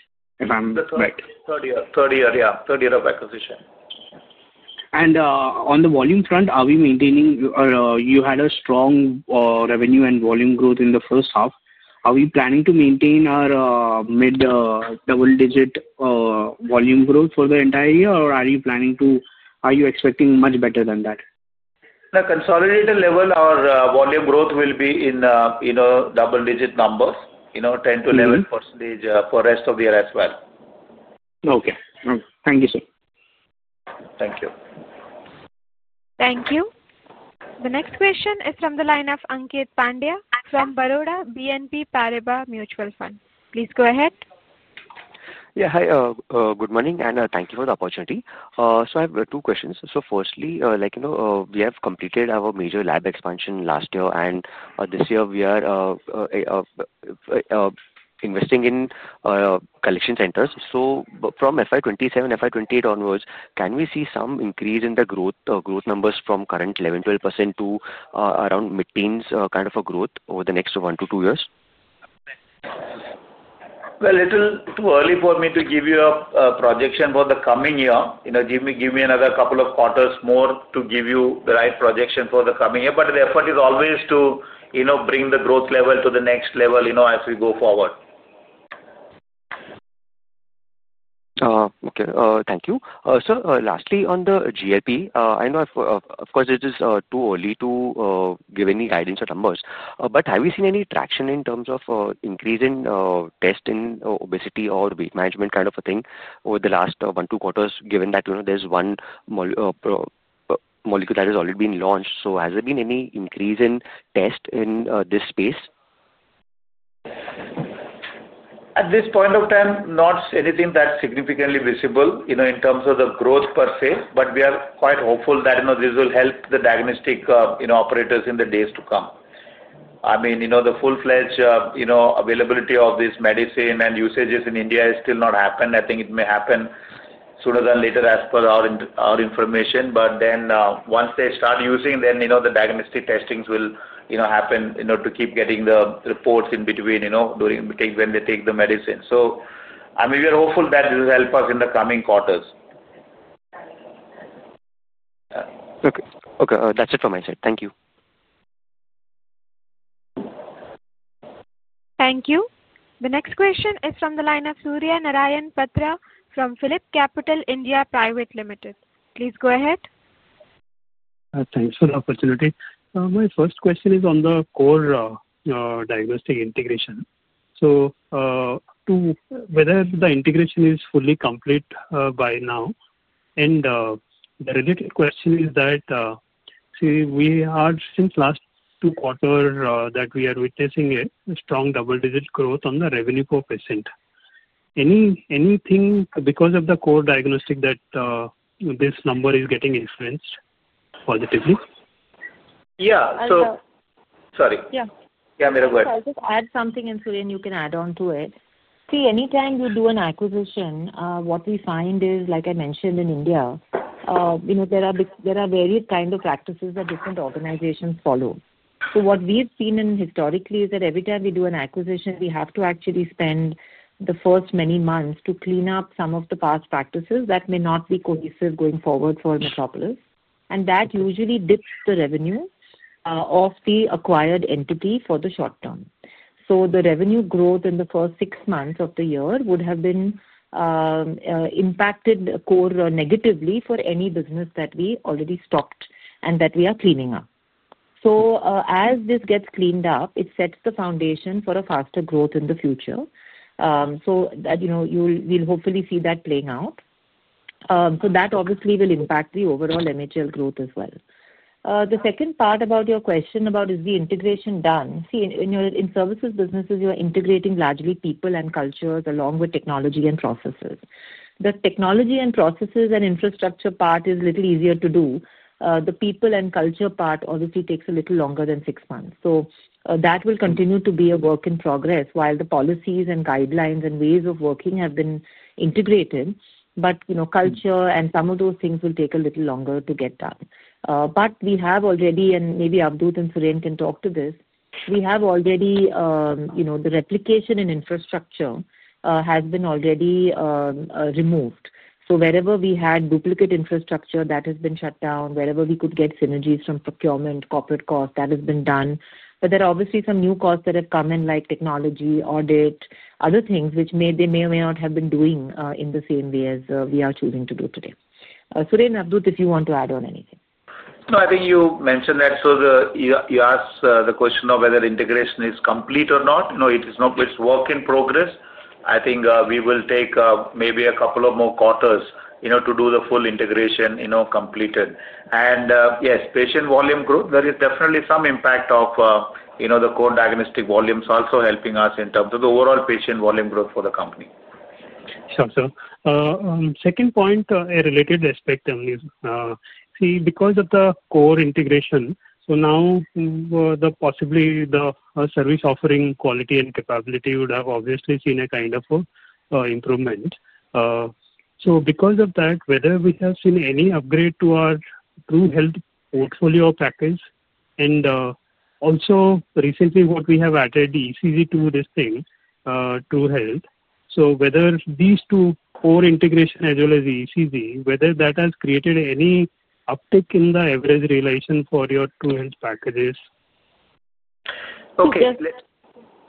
[SPEAKER 9] if I'm right?
[SPEAKER 4] Third year. Yeah. Third year of acquisition.
[SPEAKER 9] On the volume front, are we maintaining—you had a strong revenue and volume growth in the first half. Are we planning to maintain our mid-double-digit volume growth for the entire year, or are you planning to—are you expecting much better than that?
[SPEAKER 4] the consolidated level, our volume growth will be in double-digit numbers, 10%-11% for the rest of the year as well.
[SPEAKER 9] Okay. Thank you, sir.
[SPEAKER 4] Thank you.
[SPEAKER 1] Thank you. The next question is from the line of Ankeet Pandya from Baroda BNP Paribas Mutual Fund. Please go ahead.
[SPEAKER 10] Yeah. Hi. Good morning, and thank you for the opportunity. I have two questions. Firstly, we have completed our major lab expansion last year, and this year we are investing in collection centers. From FY 2027, FY 2028 onwards, can we see some increase in the growth numbers from current 11%-12% to around mid-teens kind of a growth over the next one to two years?
[SPEAKER 4] It is a little too early for me to give you a projection for the coming year. Give me another couple of quarters more to give you the right projection for the coming year. The effort is always to bring the growth level to the next level as we go forward.
[SPEAKER 10] Okay. Thank you. Lastly, on the GLP, I know, of course, it is too early to give any guidance or numbers. Have you seen any traction in terms of increase in test in obesity or weight management kind of a thing over the last one to two quarters, given that there is one molecule that has already been launched? Has there been any increase in test in this space?
[SPEAKER 4] At this point of time, not anything that's significantly visible in terms of the growth per se, but we are quite hopeful that this will help the diagnostic operators in the days to come. I mean, the full-fledged availability of this medicine and usages in India has still not happened. I think it may happen sooner than later as per our information. Once they start using, then the diagnostic testings will happen to keep getting the reports in between when they take the medicine. I mean, we are hopeful that this will help us in the coming quarters.
[SPEAKER 10] Okay. Okay. That's it from my side. Thank you.
[SPEAKER 1] Thank you. The next question is from the line of Surya Patra from PhilipCapital India Private Limited. Please go ahead.
[SPEAKER 11] Thanks for the opportunity. My first question is on the Core Diagnostics integration. Whether the integration is fully complete by now? The related question is that, see, we are since last two quarters witnessing a strong double-digit growth on the revenue per patient. Anything because of the Core Diagnostics that this number is getting influenced positively?
[SPEAKER 4] Yeah. So sorry.
[SPEAKER 3] Yeah.
[SPEAKER 4] Yeah, I'm going to go ahead.
[SPEAKER 3] I'll just add something, and Suren, you can add on to it. See, anytime you do an acquisition, what we find is, like I mentioned, in India, there are various kinds of practices that different organizations follow. What we've seen historically is that every time we do an acquisition, we have to actually spend the first many months to clean up some of the past practices that may not be cohesive going forward for Metropolis. That usually dips the revenue of the acquired entity for the short term. The revenue growth in the first six months of the year would have been impacted core negatively for any business that we already stopped and that we are cleaning up. As this gets cleaned up, it sets the foundation for a faster growth in the future. We'll hopefully see that playing out. That obviously will impact the overall MHL growth as well. The second part about your question about is the integration done. See, in services businesses, you are integrating largely people and cultures along with technology and processes. The technology and processes and infrastructure part is a little easier to do. The people and culture part obviously takes a little longer than six months. That will continue to be a work in progress while the policies and guidelines and ways of working have been integrated. Culture and some of those things will take a little longer to get done. We have already, and maybe Avadhut and Suren can talk to this, we have already. The replication and infrastructure has been already removed. Wherever we had duplicate infrastructure that has been shut down, wherever we could get synergies from procurement, corporate cost, that has been done. There are obviously some new costs that have come in like technology, audit, other things which they may or may not have been doing in the same way as we are choosing to do today. Suren and Avadhut, if you want to add on anything.
[SPEAKER 4] No, I think you mentioned that. You asked the question of whether integration is complete or not. No, it is work in progress. I think we will take maybe a couple of more quarters to do the full integration completed. Yes, patient volume growth, there is definitely some impact of the Core Diagnostics volumes also helping us in terms of the overall patient volume growth for the company.
[SPEAKER 12] Sounds good. Second point, a related aspect. See, because of the Core integration, now possibly the service offering quality and capability would have obviously seen a kind of improvement. Because of that, whether we have seen any upgrade to our True Health portfolio package and also recently what we have added, the ECG to this thing, True Health. Whether these two, Core integration as well as the ECG, whether that has created any uptick in the average realization for your True Health packages?
[SPEAKER 3] Okay.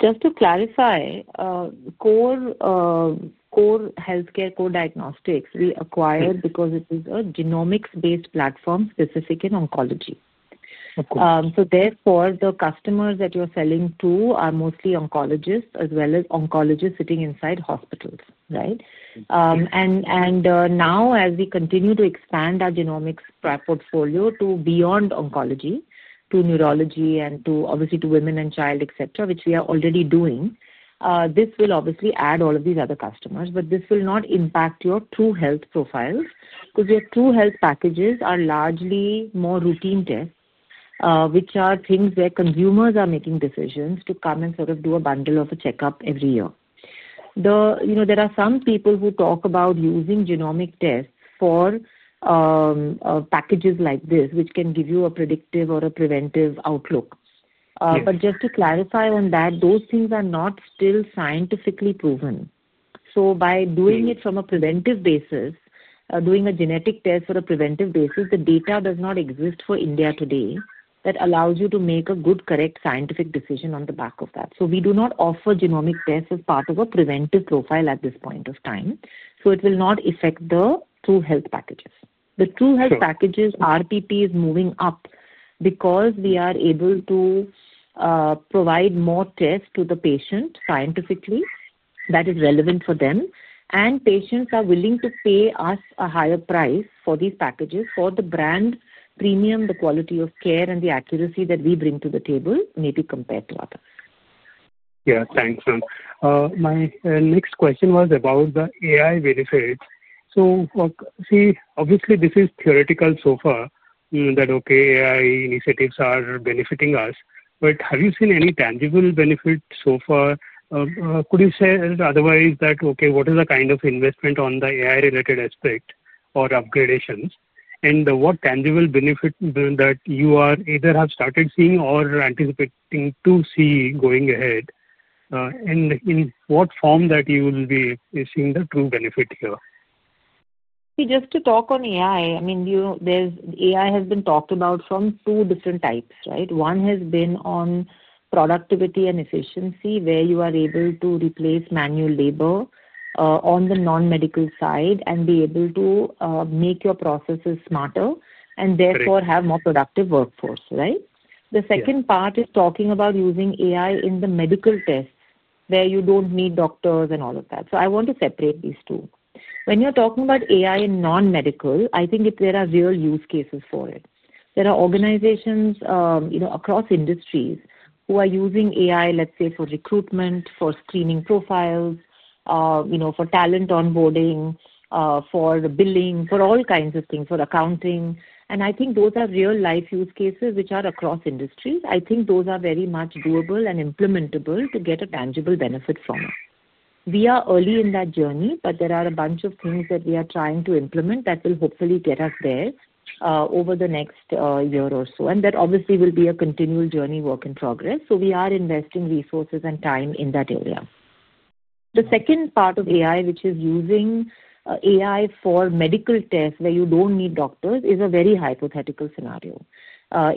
[SPEAKER 3] Just to clarify. Core Diagnostics we acquired because it is a genomics-based platform specific in oncology. Therefore, the customers that you're selling to are mostly oncologists as well as oncologists sitting inside hospitals, right? Now, as we continue to expand our genomics portfolio to beyond oncology, to neurology, and obviously to women and child, etc., which we are already doing, this will obviously add all of these other customers. This will not impact your True Health profiles because your True Health packages are largely more routine tests, which are things where consumers are making decisions to come and sort of do a bundle of a checkup every year. There are some people who talk about using genomic tests for packages like this, which can give you a predictive or a preventive outlook. Just to clarify on that, those things are not still scientifically proven. By doing it from a preventive basis, doing a genetic test for a preventive basis, the data does not exist for India today that allows you to make a good, correct scientific decision on the back of that. We do not offer genomic tests as part of a preventive profile at this point of time. It will not affect the True Health packages. The True Health packages, RPP is moving up because we are able to provide more tests to the patient scientifically that is relevant for them. Patients are willing to pay us a higher price for these packages for the brand, premium, the quality of care, and the accuracy that we bring to the table, maybe compared to others.
[SPEAKER 12] Yeah. Thanks, ma'am. My next question was about the AI benefits. See, obviously, this is theoretical so far that, okay, AI initiatives are benefiting us. Have you seen any tangible benefit so far? Could you say otherwise that, okay, what is the kind of investment on the AI-related aspect or upgradations? What tangible benefit that you either have started seeing or are anticipating to see going ahead? In what form will you be seeing the true benefit here?
[SPEAKER 3] See, just to talk on AI, I mean, AI has been talked about from two different types, right? One has been on productivity and efficiency, where you are able to replace manual labor. On the non-medical side and be able to make your processes smarter and therefore have more productive workforce, right? The second part is talking about using AI in the medical tests where you do not need doctors and all of that. I want to separate these two. When you are talking about AI in non-medical, I think there are real use cases for it. There are organizations across industries who are using AI, let's say, for recruitment, for screening profiles, for talent onboarding, for billing, for all kinds of things, for accounting. I think those are real-life use cases which are across industries. I think those are very much doable and implementable to get a tangible benefit from it. We are early in that journey, but there are a bunch of things that we are trying to implement that will hopefully get us there over the next year or so. That obviously will be a continual journey, work in progress. We are investing resources and time in that area. The second part of AI, which is using AI for medical tests where you do not need doctors, is a very hypothetical scenario.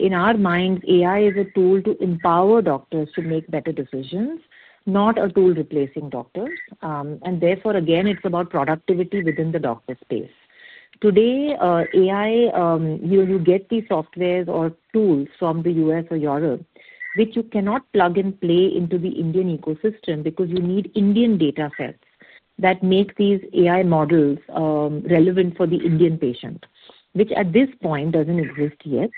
[SPEAKER 3] In our minds, AI is a tool to empower doctors to make better decisions, not a tool replacing doctors. Therefore, again, it is about productivity within the doctor space. Today AI, you get these softwares or tools from the U.S. or Europe, which you cannot plug and play into the Indian ecosystem because you need Indian data sets that make these AI models relevant for the Indian patient, which at this point does not exist yet.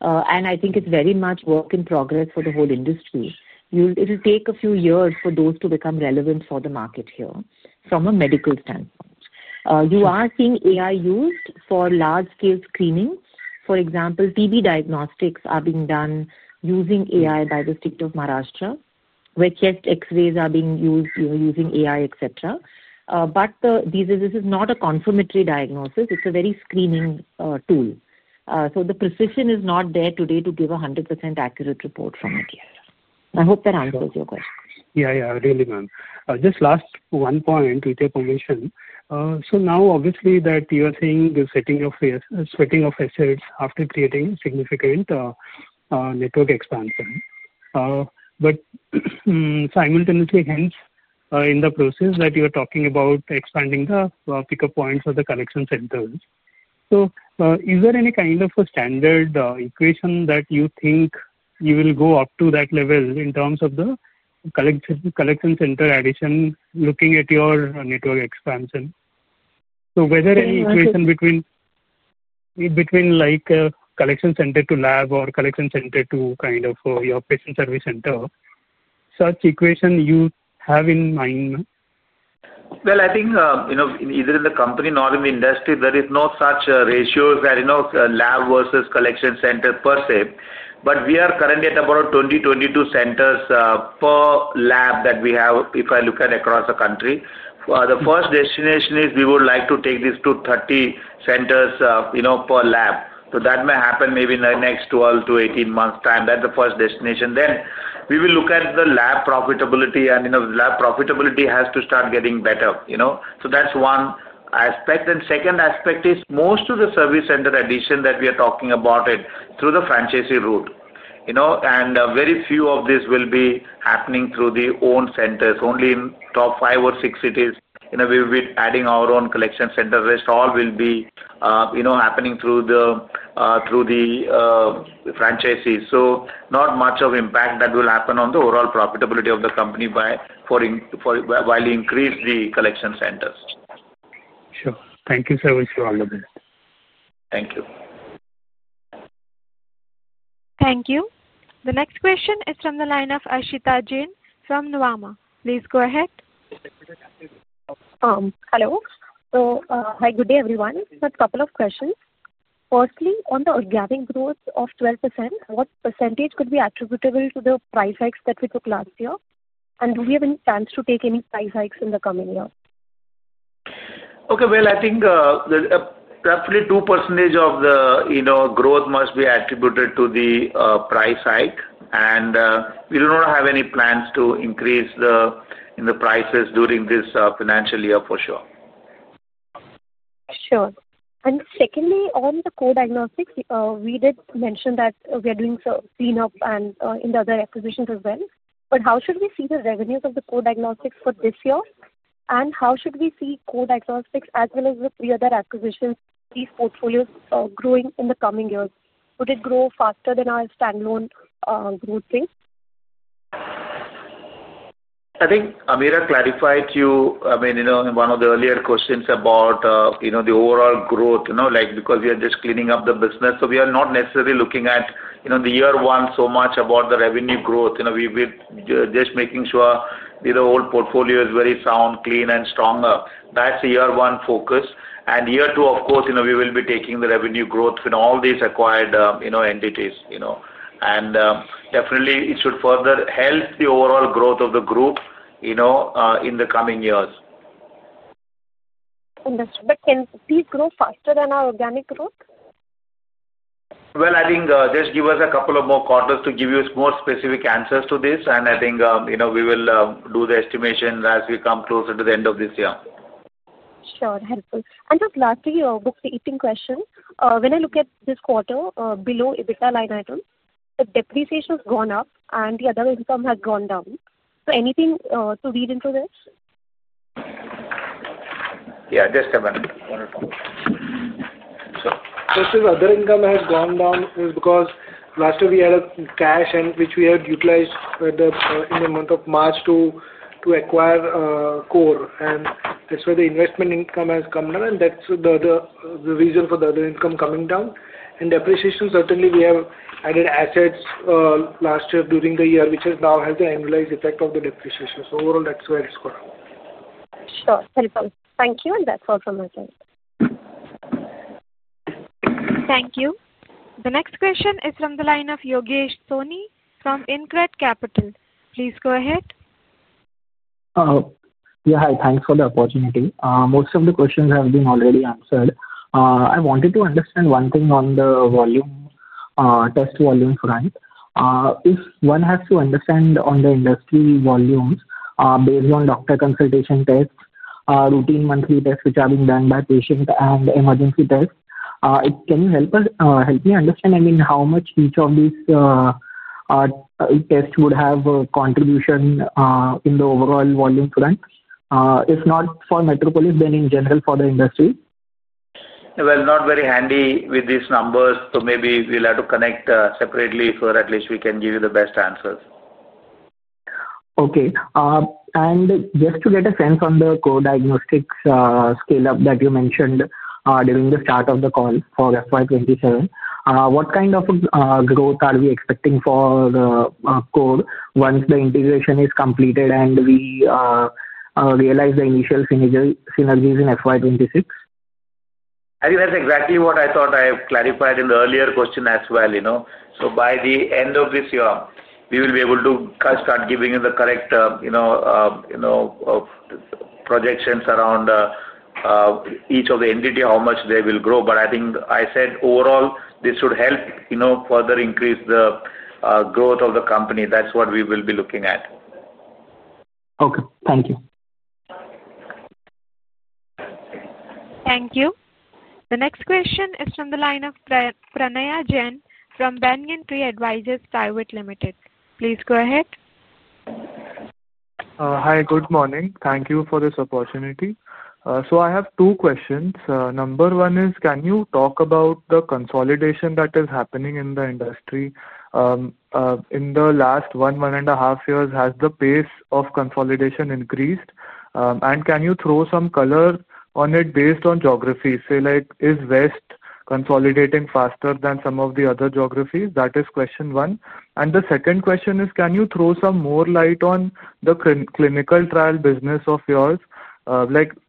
[SPEAKER 3] I think it is very much work in progress for the whole industry. It will take a few years for those to become relevant for the market here from a medical standpoint. You are seeing AI used for large-scale screening. For example, TB diagnostics are being done using AI by the state of Maharashtra, where chest X-rays are being used using AI, etc. This is not a confirmatory diagnosis. It is a very screening tool. The precision is not there today to give a 100% accurate report from it yet. I hope that answers your question.
[SPEAKER 11] Yeah, yeah. Really, ma'am. Just last one point, with your permission. Now, obviously, you are seeing the sweating of assets after creating significant network expansion. Simultaneously, in the process, you are talking about expanding the pickup points of the collection centers. Is there any kind of a standard equation that you think you will go up to that level in terms of the collection center addition, looking at your network expansion? Is there any equation between collection center to lab or collection center to kind of your patient service center, such equation you have in mind? I think neither in the company nor in the industry, there is no such ratio that lab versus collection center per se. We are currently at about 20-22 centers per lab that we have, if I look at across the country. The first destination is we would like to take this to 30 centers per lab. That may happen maybe in the next 12-18 months' time. That is the first destination. We will look at the lab profitability, and the lab profitability has to start getting better. That is one aspect. The second aspect is most of the service center addition that we are talking about is through the franchisee route. Very few of these will be happening through the own centers, only in top five or six cities. We will be adding our own collection center. The rest all will be happening through the franchisees. So not much of impact that will happen on the overall profitability of the company. While we increase the collection centers. Sure. Thank you so much for all of this.
[SPEAKER 4] Thank you.
[SPEAKER 1] Thank you. The next question is from the line of Aashita Jain from Nuvama. Please go ahead.
[SPEAKER 13] Hello. Hi, good day, everyone. Just a couple of questions. Firstly, on the organic growth of 12%, what percentage could be attributable to the price hikes that we took last year? Do we have any plans to take any price hikes in the coming year?
[SPEAKER 4] Okay. I think roughly 2% of the growth must be attributed to the price hike. We do not have any plans to increase the prices during this financial year, for sure.
[SPEAKER 13] Sure. Secondly, on the Core Diagnostics, we did mention that we are doing cleanup and in the other acquisitions as well. How should we see the revenues of the Core Diagnostics for this year? How should we see Core Diagnostics as well as the three other acquisitions, these portfolios growing in the coming years? Would it grow faster than our standalone growth rate?
[SPEAKER 4] I think Ameera clarified to you, I mean, in one of the earlier questions about the overall growth, because we are just cleaning up the business. We are not necessarily looking at the year one so much about the revenue growth. We are just making sure the whole portfolio is very sound, clean, and stronger. That is the year one focus. Year two, of course, we will be taking the revenue growth in all these acquired entities. It should definitely further help the overall growth of the group in the coming years.
[SPEAKER 13] Understood. Can these grow faster than our organic growth?
[SPEAKER 4] I think just give us a couple of more quarters to give you more specific answers to this. I think we will do the estimation as we come closer to the end of this year.
[SPEAKER 13] Sure. Just lastly, a quick question. When I look at this quarter below EBITDA line items, the depreciation has gone up, and the other income has gone down. Anything to read into this?
[SPEAKER 4] Yeah. Just a minute. One or two.
[SPEAKER 12] The other income has gone down is because last year we had cash, which we had utilized in the month of March to acquire Core. That is where the investment income has come down. That is the reason for the other income coming down. Depreciation, certainly, we have added assets last year during the year, which now has the annualized effect of the depreciation. Overall, that is where it has gone.
[SPEAKER 13] Sure. Thank you. That is all from my side.
[SPEAKER 1] Thank you. The next question is from the line of Yogesh Soni from InCred Capital. Please go ahead.
[SPEAKER 14] Yeah. Hi. Thanks for the opportunity. Most of the questions have been already answered. I wanted to understand one thing on the test volume front. If one has to understand on the industry volumes based on doctor consultation tests, routine monthly tests which are being done by patient, and emergency tests, can you help me understand, I mean, how much each of these tests would have a contribution in the overall volume front? If not for Metropolis, then in general for the industry?
[SPEAKER 4] Not very handy with these numbers. Maybe we'll have to connect separately so that at least we can give you the best answers.
[SPEAKER 14] Okay. Just to get a sense on the Core Diagnostics scale-up that you mentioned during the start of the call for FY 2027, what kind of growth are we expecting for Core once the integration is completed and we realize the initial synergies in FY 2026?
[SPEAKER 4] That's exactly what I thought I clarified in the earlier question as well. By the end of this year, we will be able to start giving you the correct projections around each of the entities, how much they will grow. I think I said overall, this should help further increase the growth of the company. That is what we will be looking at.
[SPEAKER 14] Okay. Thank you.
[SPEAKER 1] Thank you. The next question is from the line of Pranaya Jain from Bengal Pre-Advisors Private Limited. Please go ahead.
[SPEAKER 15] Hi. Good morning. Thank you for this opportunity. I have two questions. Number one is, can you talk about the consolidation that is happening in the industry. In the last one, one and a half years, has the pace of consolidation increased? Can you throw some color on it based on geography? Say like, is West consolidating faster than some of the other geographies? That is question one. The second question is, can you throw some more light on the clinical trial business of yours?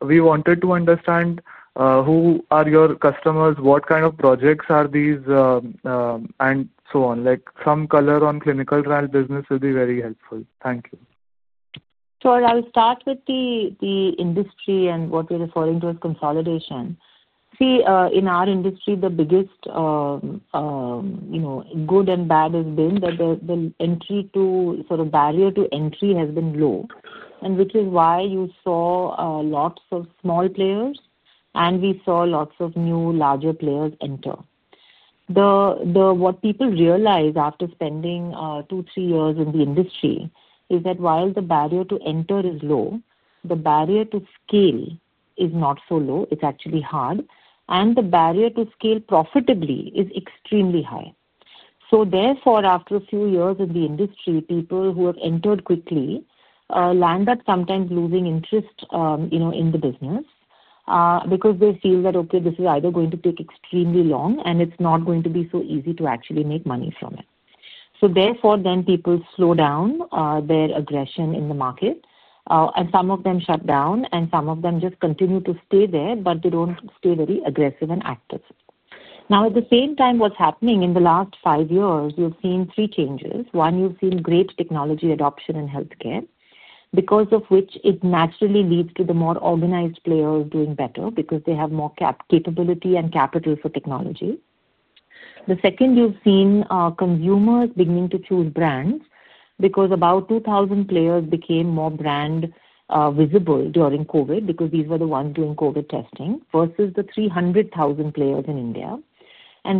[SPEAKER 15] We wanted to understand. Who are your customers? What kind of projects are these. Some color on clinical trial business would be very helpful. Thank you.
[SPEAKER 3] Sure. I'll start with the industry and what we're referring to as consolidation. See, in our industry, the biggest good and bad has been that the barrier to entry has been low, which is why you saw lots of small players, and we saw lots of new larger players enter. What people realize after spending two, three years in the industry is that while the barrier to enter is low, the barrier to scale is not so low. It's actually hard. And the barrier to scale profitably is extremely high. Therefore, after a few years in the industry, people who have entered quickly land up sometimes losing interest in the business because they feel that, okay, this is either going to take extremely long, and it's not going to be so easy to actually make money from it. Therefore, then people slow down. Their aggression in the market. Some of them shut down, and some of them just continue to stay there, but they do not stay very aggressive and active. At the same time, what is happening in the last five years, you have seen three changes. One, you have seen great technology adoption in healthcare, because of which it naturally leads to the more organized players doing better because they have more capability and capital for technology. The second, you have seen consumers beginning to choose brands because about 2,000 players became more brand visible during COVID because these were the ones doing COVID testing versus the 300,000 players in India.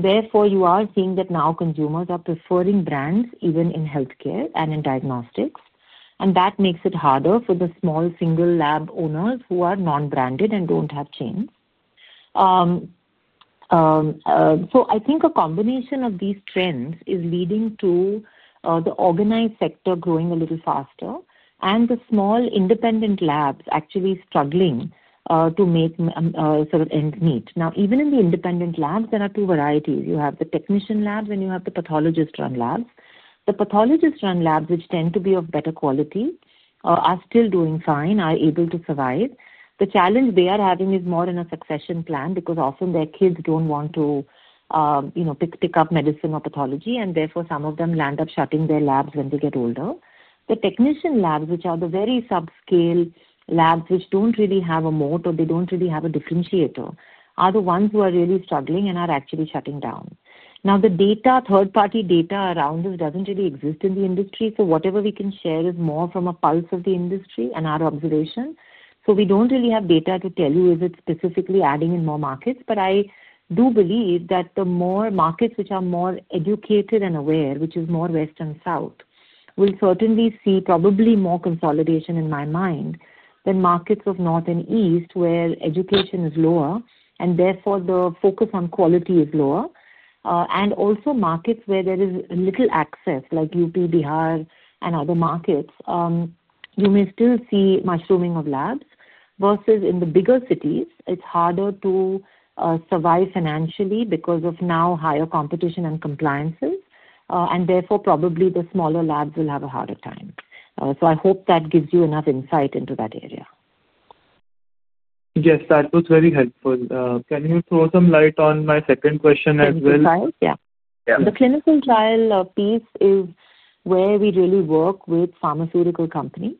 [SPEAKER 3] Therefore, you are seeing that now consumers are preferring brands even in healthcare and in diagnostics. That makes it harder for the small single lab owners who are non-branded and do not have chains. I think a combination of these trends is leading to the organized sector growing a little faster and the small independent labs actually struggling to make sort of ends meet. Now, even in the independent labs, there are two varieties. You have the technician labs and you have the pathologist-run labs. The pathologist-run labs, which tend to be of better quality, are still doing fine, are able to survive. The challenge they are having is more in a succession plan because often their kids do not want to pick up medicine or pathology, and therefore some of them land up shutting their labs when they get older. The technician labs, which are the very subscale labs which do not really have a moat or they do not really have a differentiator, are the ones who are really struggling and are actually shutting down. Now, the third-party data around this does not really exist in the industry. So whatever we can share is more from a pulse of the industry and our observation. We do not really have data to tell you if it is specifically adding in more markets. I do believe that the more markets which are more educated and aware, which is more West and South, will certainly see probably more consolidation in my mind than markets of North and East where education is lower and therefore the focus on quality is lower. Also, markets where there is little access, like UP, Bihar, and other markets, you may still see mushrooming of labs versus in the bigger cities, it is harder to survive financially because of now higher competition and compliances. Therefore, probably the smaller labs will have a harder time. I hope that gives you enough insight into that area.
[SPEAKER 15] Yes. That was very helpful. Can you throw some light on my second question as well?
[SPEAKER 3] Clinical trials, yeah. The clinical trial piece is where we really work with pharmaceutical companies.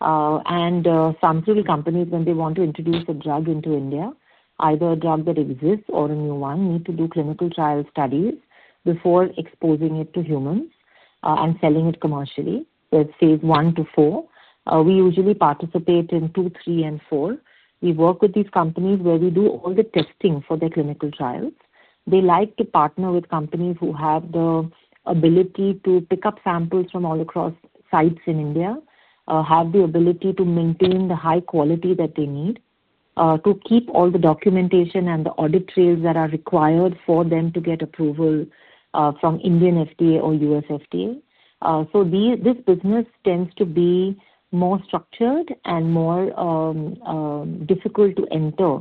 [SPEAKER 3] Pharmaceutical companies, when they want to introduce a drug into India, either a drug that exists or a new one, need to do clinical trial studies before exposing it to humans and selling it commercially. There is phase I-IV. We usually participate in phase II, phase III, and phase IV. We work with these companies where we do all the testing for their clinical trials. They like to partner with companies who have the ability to pick up samples from all across sites in India, have the ability to maintain the high quality that they need, to keep all the documentation and the audit trails that are required for them to get approval from Indian FDA or US FDA. This business tends to be more structured and more difficult to enter.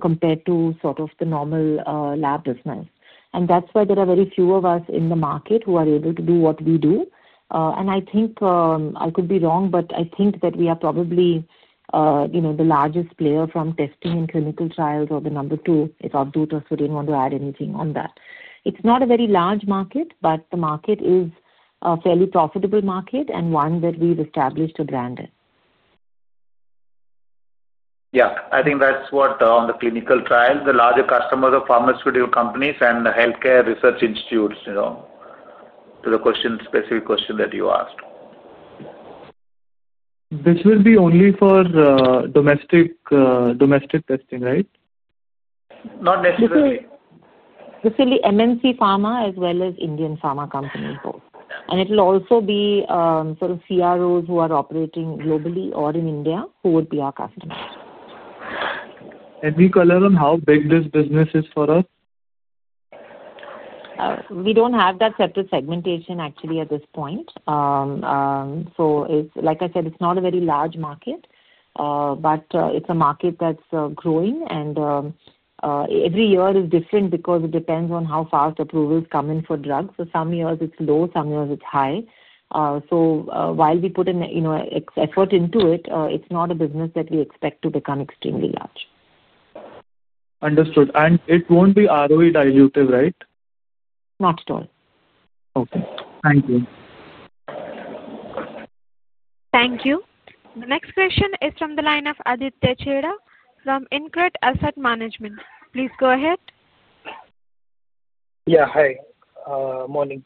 [SPEAKER 3] Compared to sort of the normal lab business. That is why there are very few of us in the market who are able to do what we do. I think I could be wrong, but I think that we are probably the largest player from testing and clinical trials, or the number two is Avadhut Joshi. I did not want to add anything on that. It is not a very large market, but the market is a fairly profitable market and one that we have established a brand in.
[SPEAKER 12] Yeah. I think that's what on the clinical trials, the larger customers of pharmaceutical companies and the healthcare research institutes. To the specific question that you asked.
[SPEAKER 15] This will be only for domestic testing, right?
[SPEAKER 4] Not necessarily.
[SPEAKER 3] This will be MNC pharma as well as Indian pharma companies both. It will also be sort of CROs who are operating globally or in India who would be our customers.
[SPEAKER 15] Can we call it on how big this business is for us?
[SPEAKER 3] We do not have that separate segmentation, actually, at this point. Like I said, it is not a very large market. It is a market that is growing. Every year is different because it depends on how fast approvals come in for drugs. Some years it is low, some years it is high. While we put in effort into it, it is not a business that we expect to become extremely large.
[SPEAKER 15] Understood. It won't be ROE dilutive, right?
[SPEAKER 3] Not at all.
[SPEAKER 15] Okay. Thank you.
[SPEAKER 1] Thank you. The next question is from the line of Aditya Chera from InCred Asset Management. Please go ahead.
[SPEAKER 16] Yeah. Hi. Morning.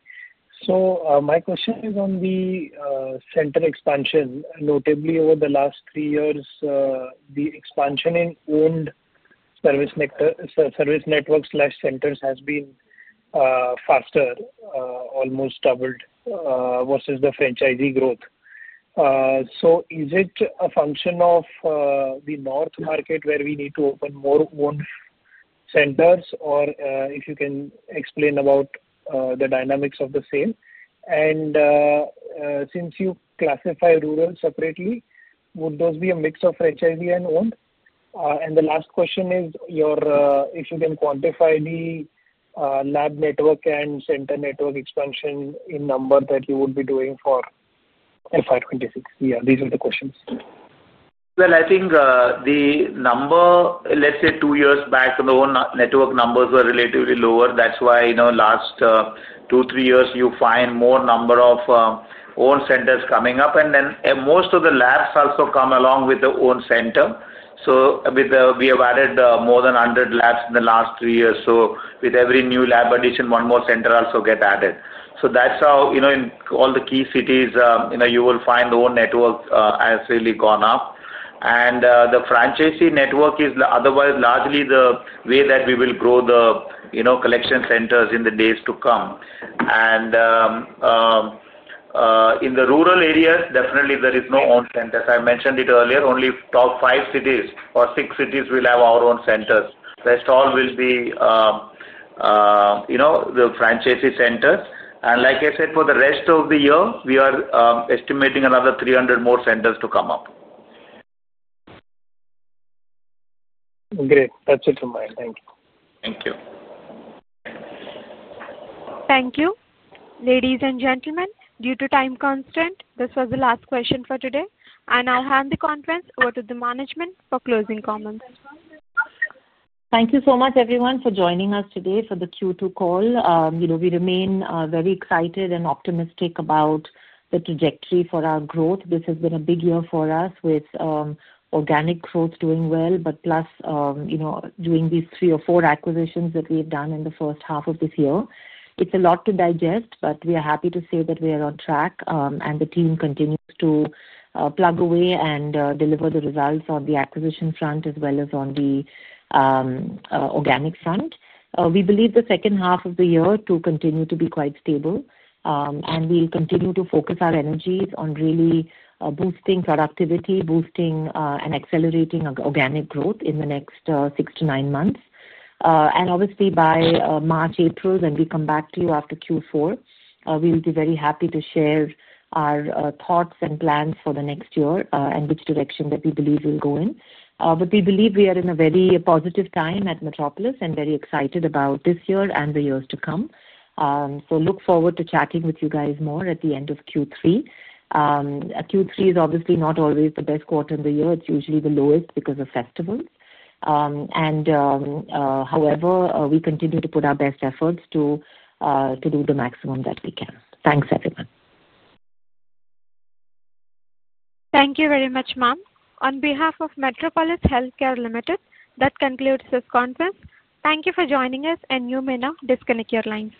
[SPEAKER 16] My question is on the center expansion. Notably, over the last three years, the expansion in owned service networks/centers has been faster, almost doubled, versus the franchisee growth. Is it a function of the North market where we need to open more owned centers, or if you can explain about the dynamics of the sale? Since you classify rural separately, would those be a mix of franchisee and owned? The last question is if you can quantify the lab network and center network expansion in number that you would be doing for FY 2026. Yeah. These are the questions.
[SPEAKER 4] I think the number, let's say two years back, the owned network numbers were relatively lower. That's why the last two, three years, you find more number of owned centers coming up. Most of the labs also come along with the owned center. We have added more than 100 labs in the last three years. With every new lab addition, one more center also gets added. That's how in all the key cities, you will find the owned network has really gone up. The franchisee network is otherwise largely the way that we will grow the collection centers in the days to come. In the rural areas, definitely there is no owned centers. I mentioned it earlier, only top five cities or six cities will have our own centers. Rest all will be the franchisee centers. Like I said, for the rest of the year, we are estimating another 300 more centers to come up.
[SPEAKER 6] Great. That's it from my end. Thank you.
[SPEAKER 4] Thank you.
[SPEAKER 1] Thank you. Ladies and gentlemen, due to time constraint, this was the last question for today. I will hand the conference over to the management for closing comments.
[SPEAKER 3] Thank you so much, everyone, for joining us today for the Q2 call. We remain very excited and optimistic about the trajectory for our growth. This has been a big year for us with organic growth doing well, plus doing these three or four acquisitions that we've done in the first half of this year. It's a lot to digest, but we are happy to say that we are on track and the team continues to plug away and deliver the results on the acquisition front as well as on the organic front. We believe the second half of the year to continue to be quite stable. We will continue to focus our energies on really boosting productivity, boosting and accelerating organic growth in the next six to nine months. Obviously, by March, April, when we come back to you after Q4, we'll be very happy to share our thoughts and plans for the next year and which direction that we believe we'll go in. We believe we are in a very positive time at Metropolis and very excited about this year and the years to come. I look forward to chatting with you guys more at the end of Q3. Q3 is obviously not always the best quarter of the year. It's usually the lowest because of festivals. However, we continue to put our best efforts to do the maximum that we can. Thanks, everyone.
[SPEAKER 1] Thank you very much, ma'am. On behalf of Metropolis Healthcare Limited, that concludes this conference. Thank you for joining us, and you may now disconnect your lines.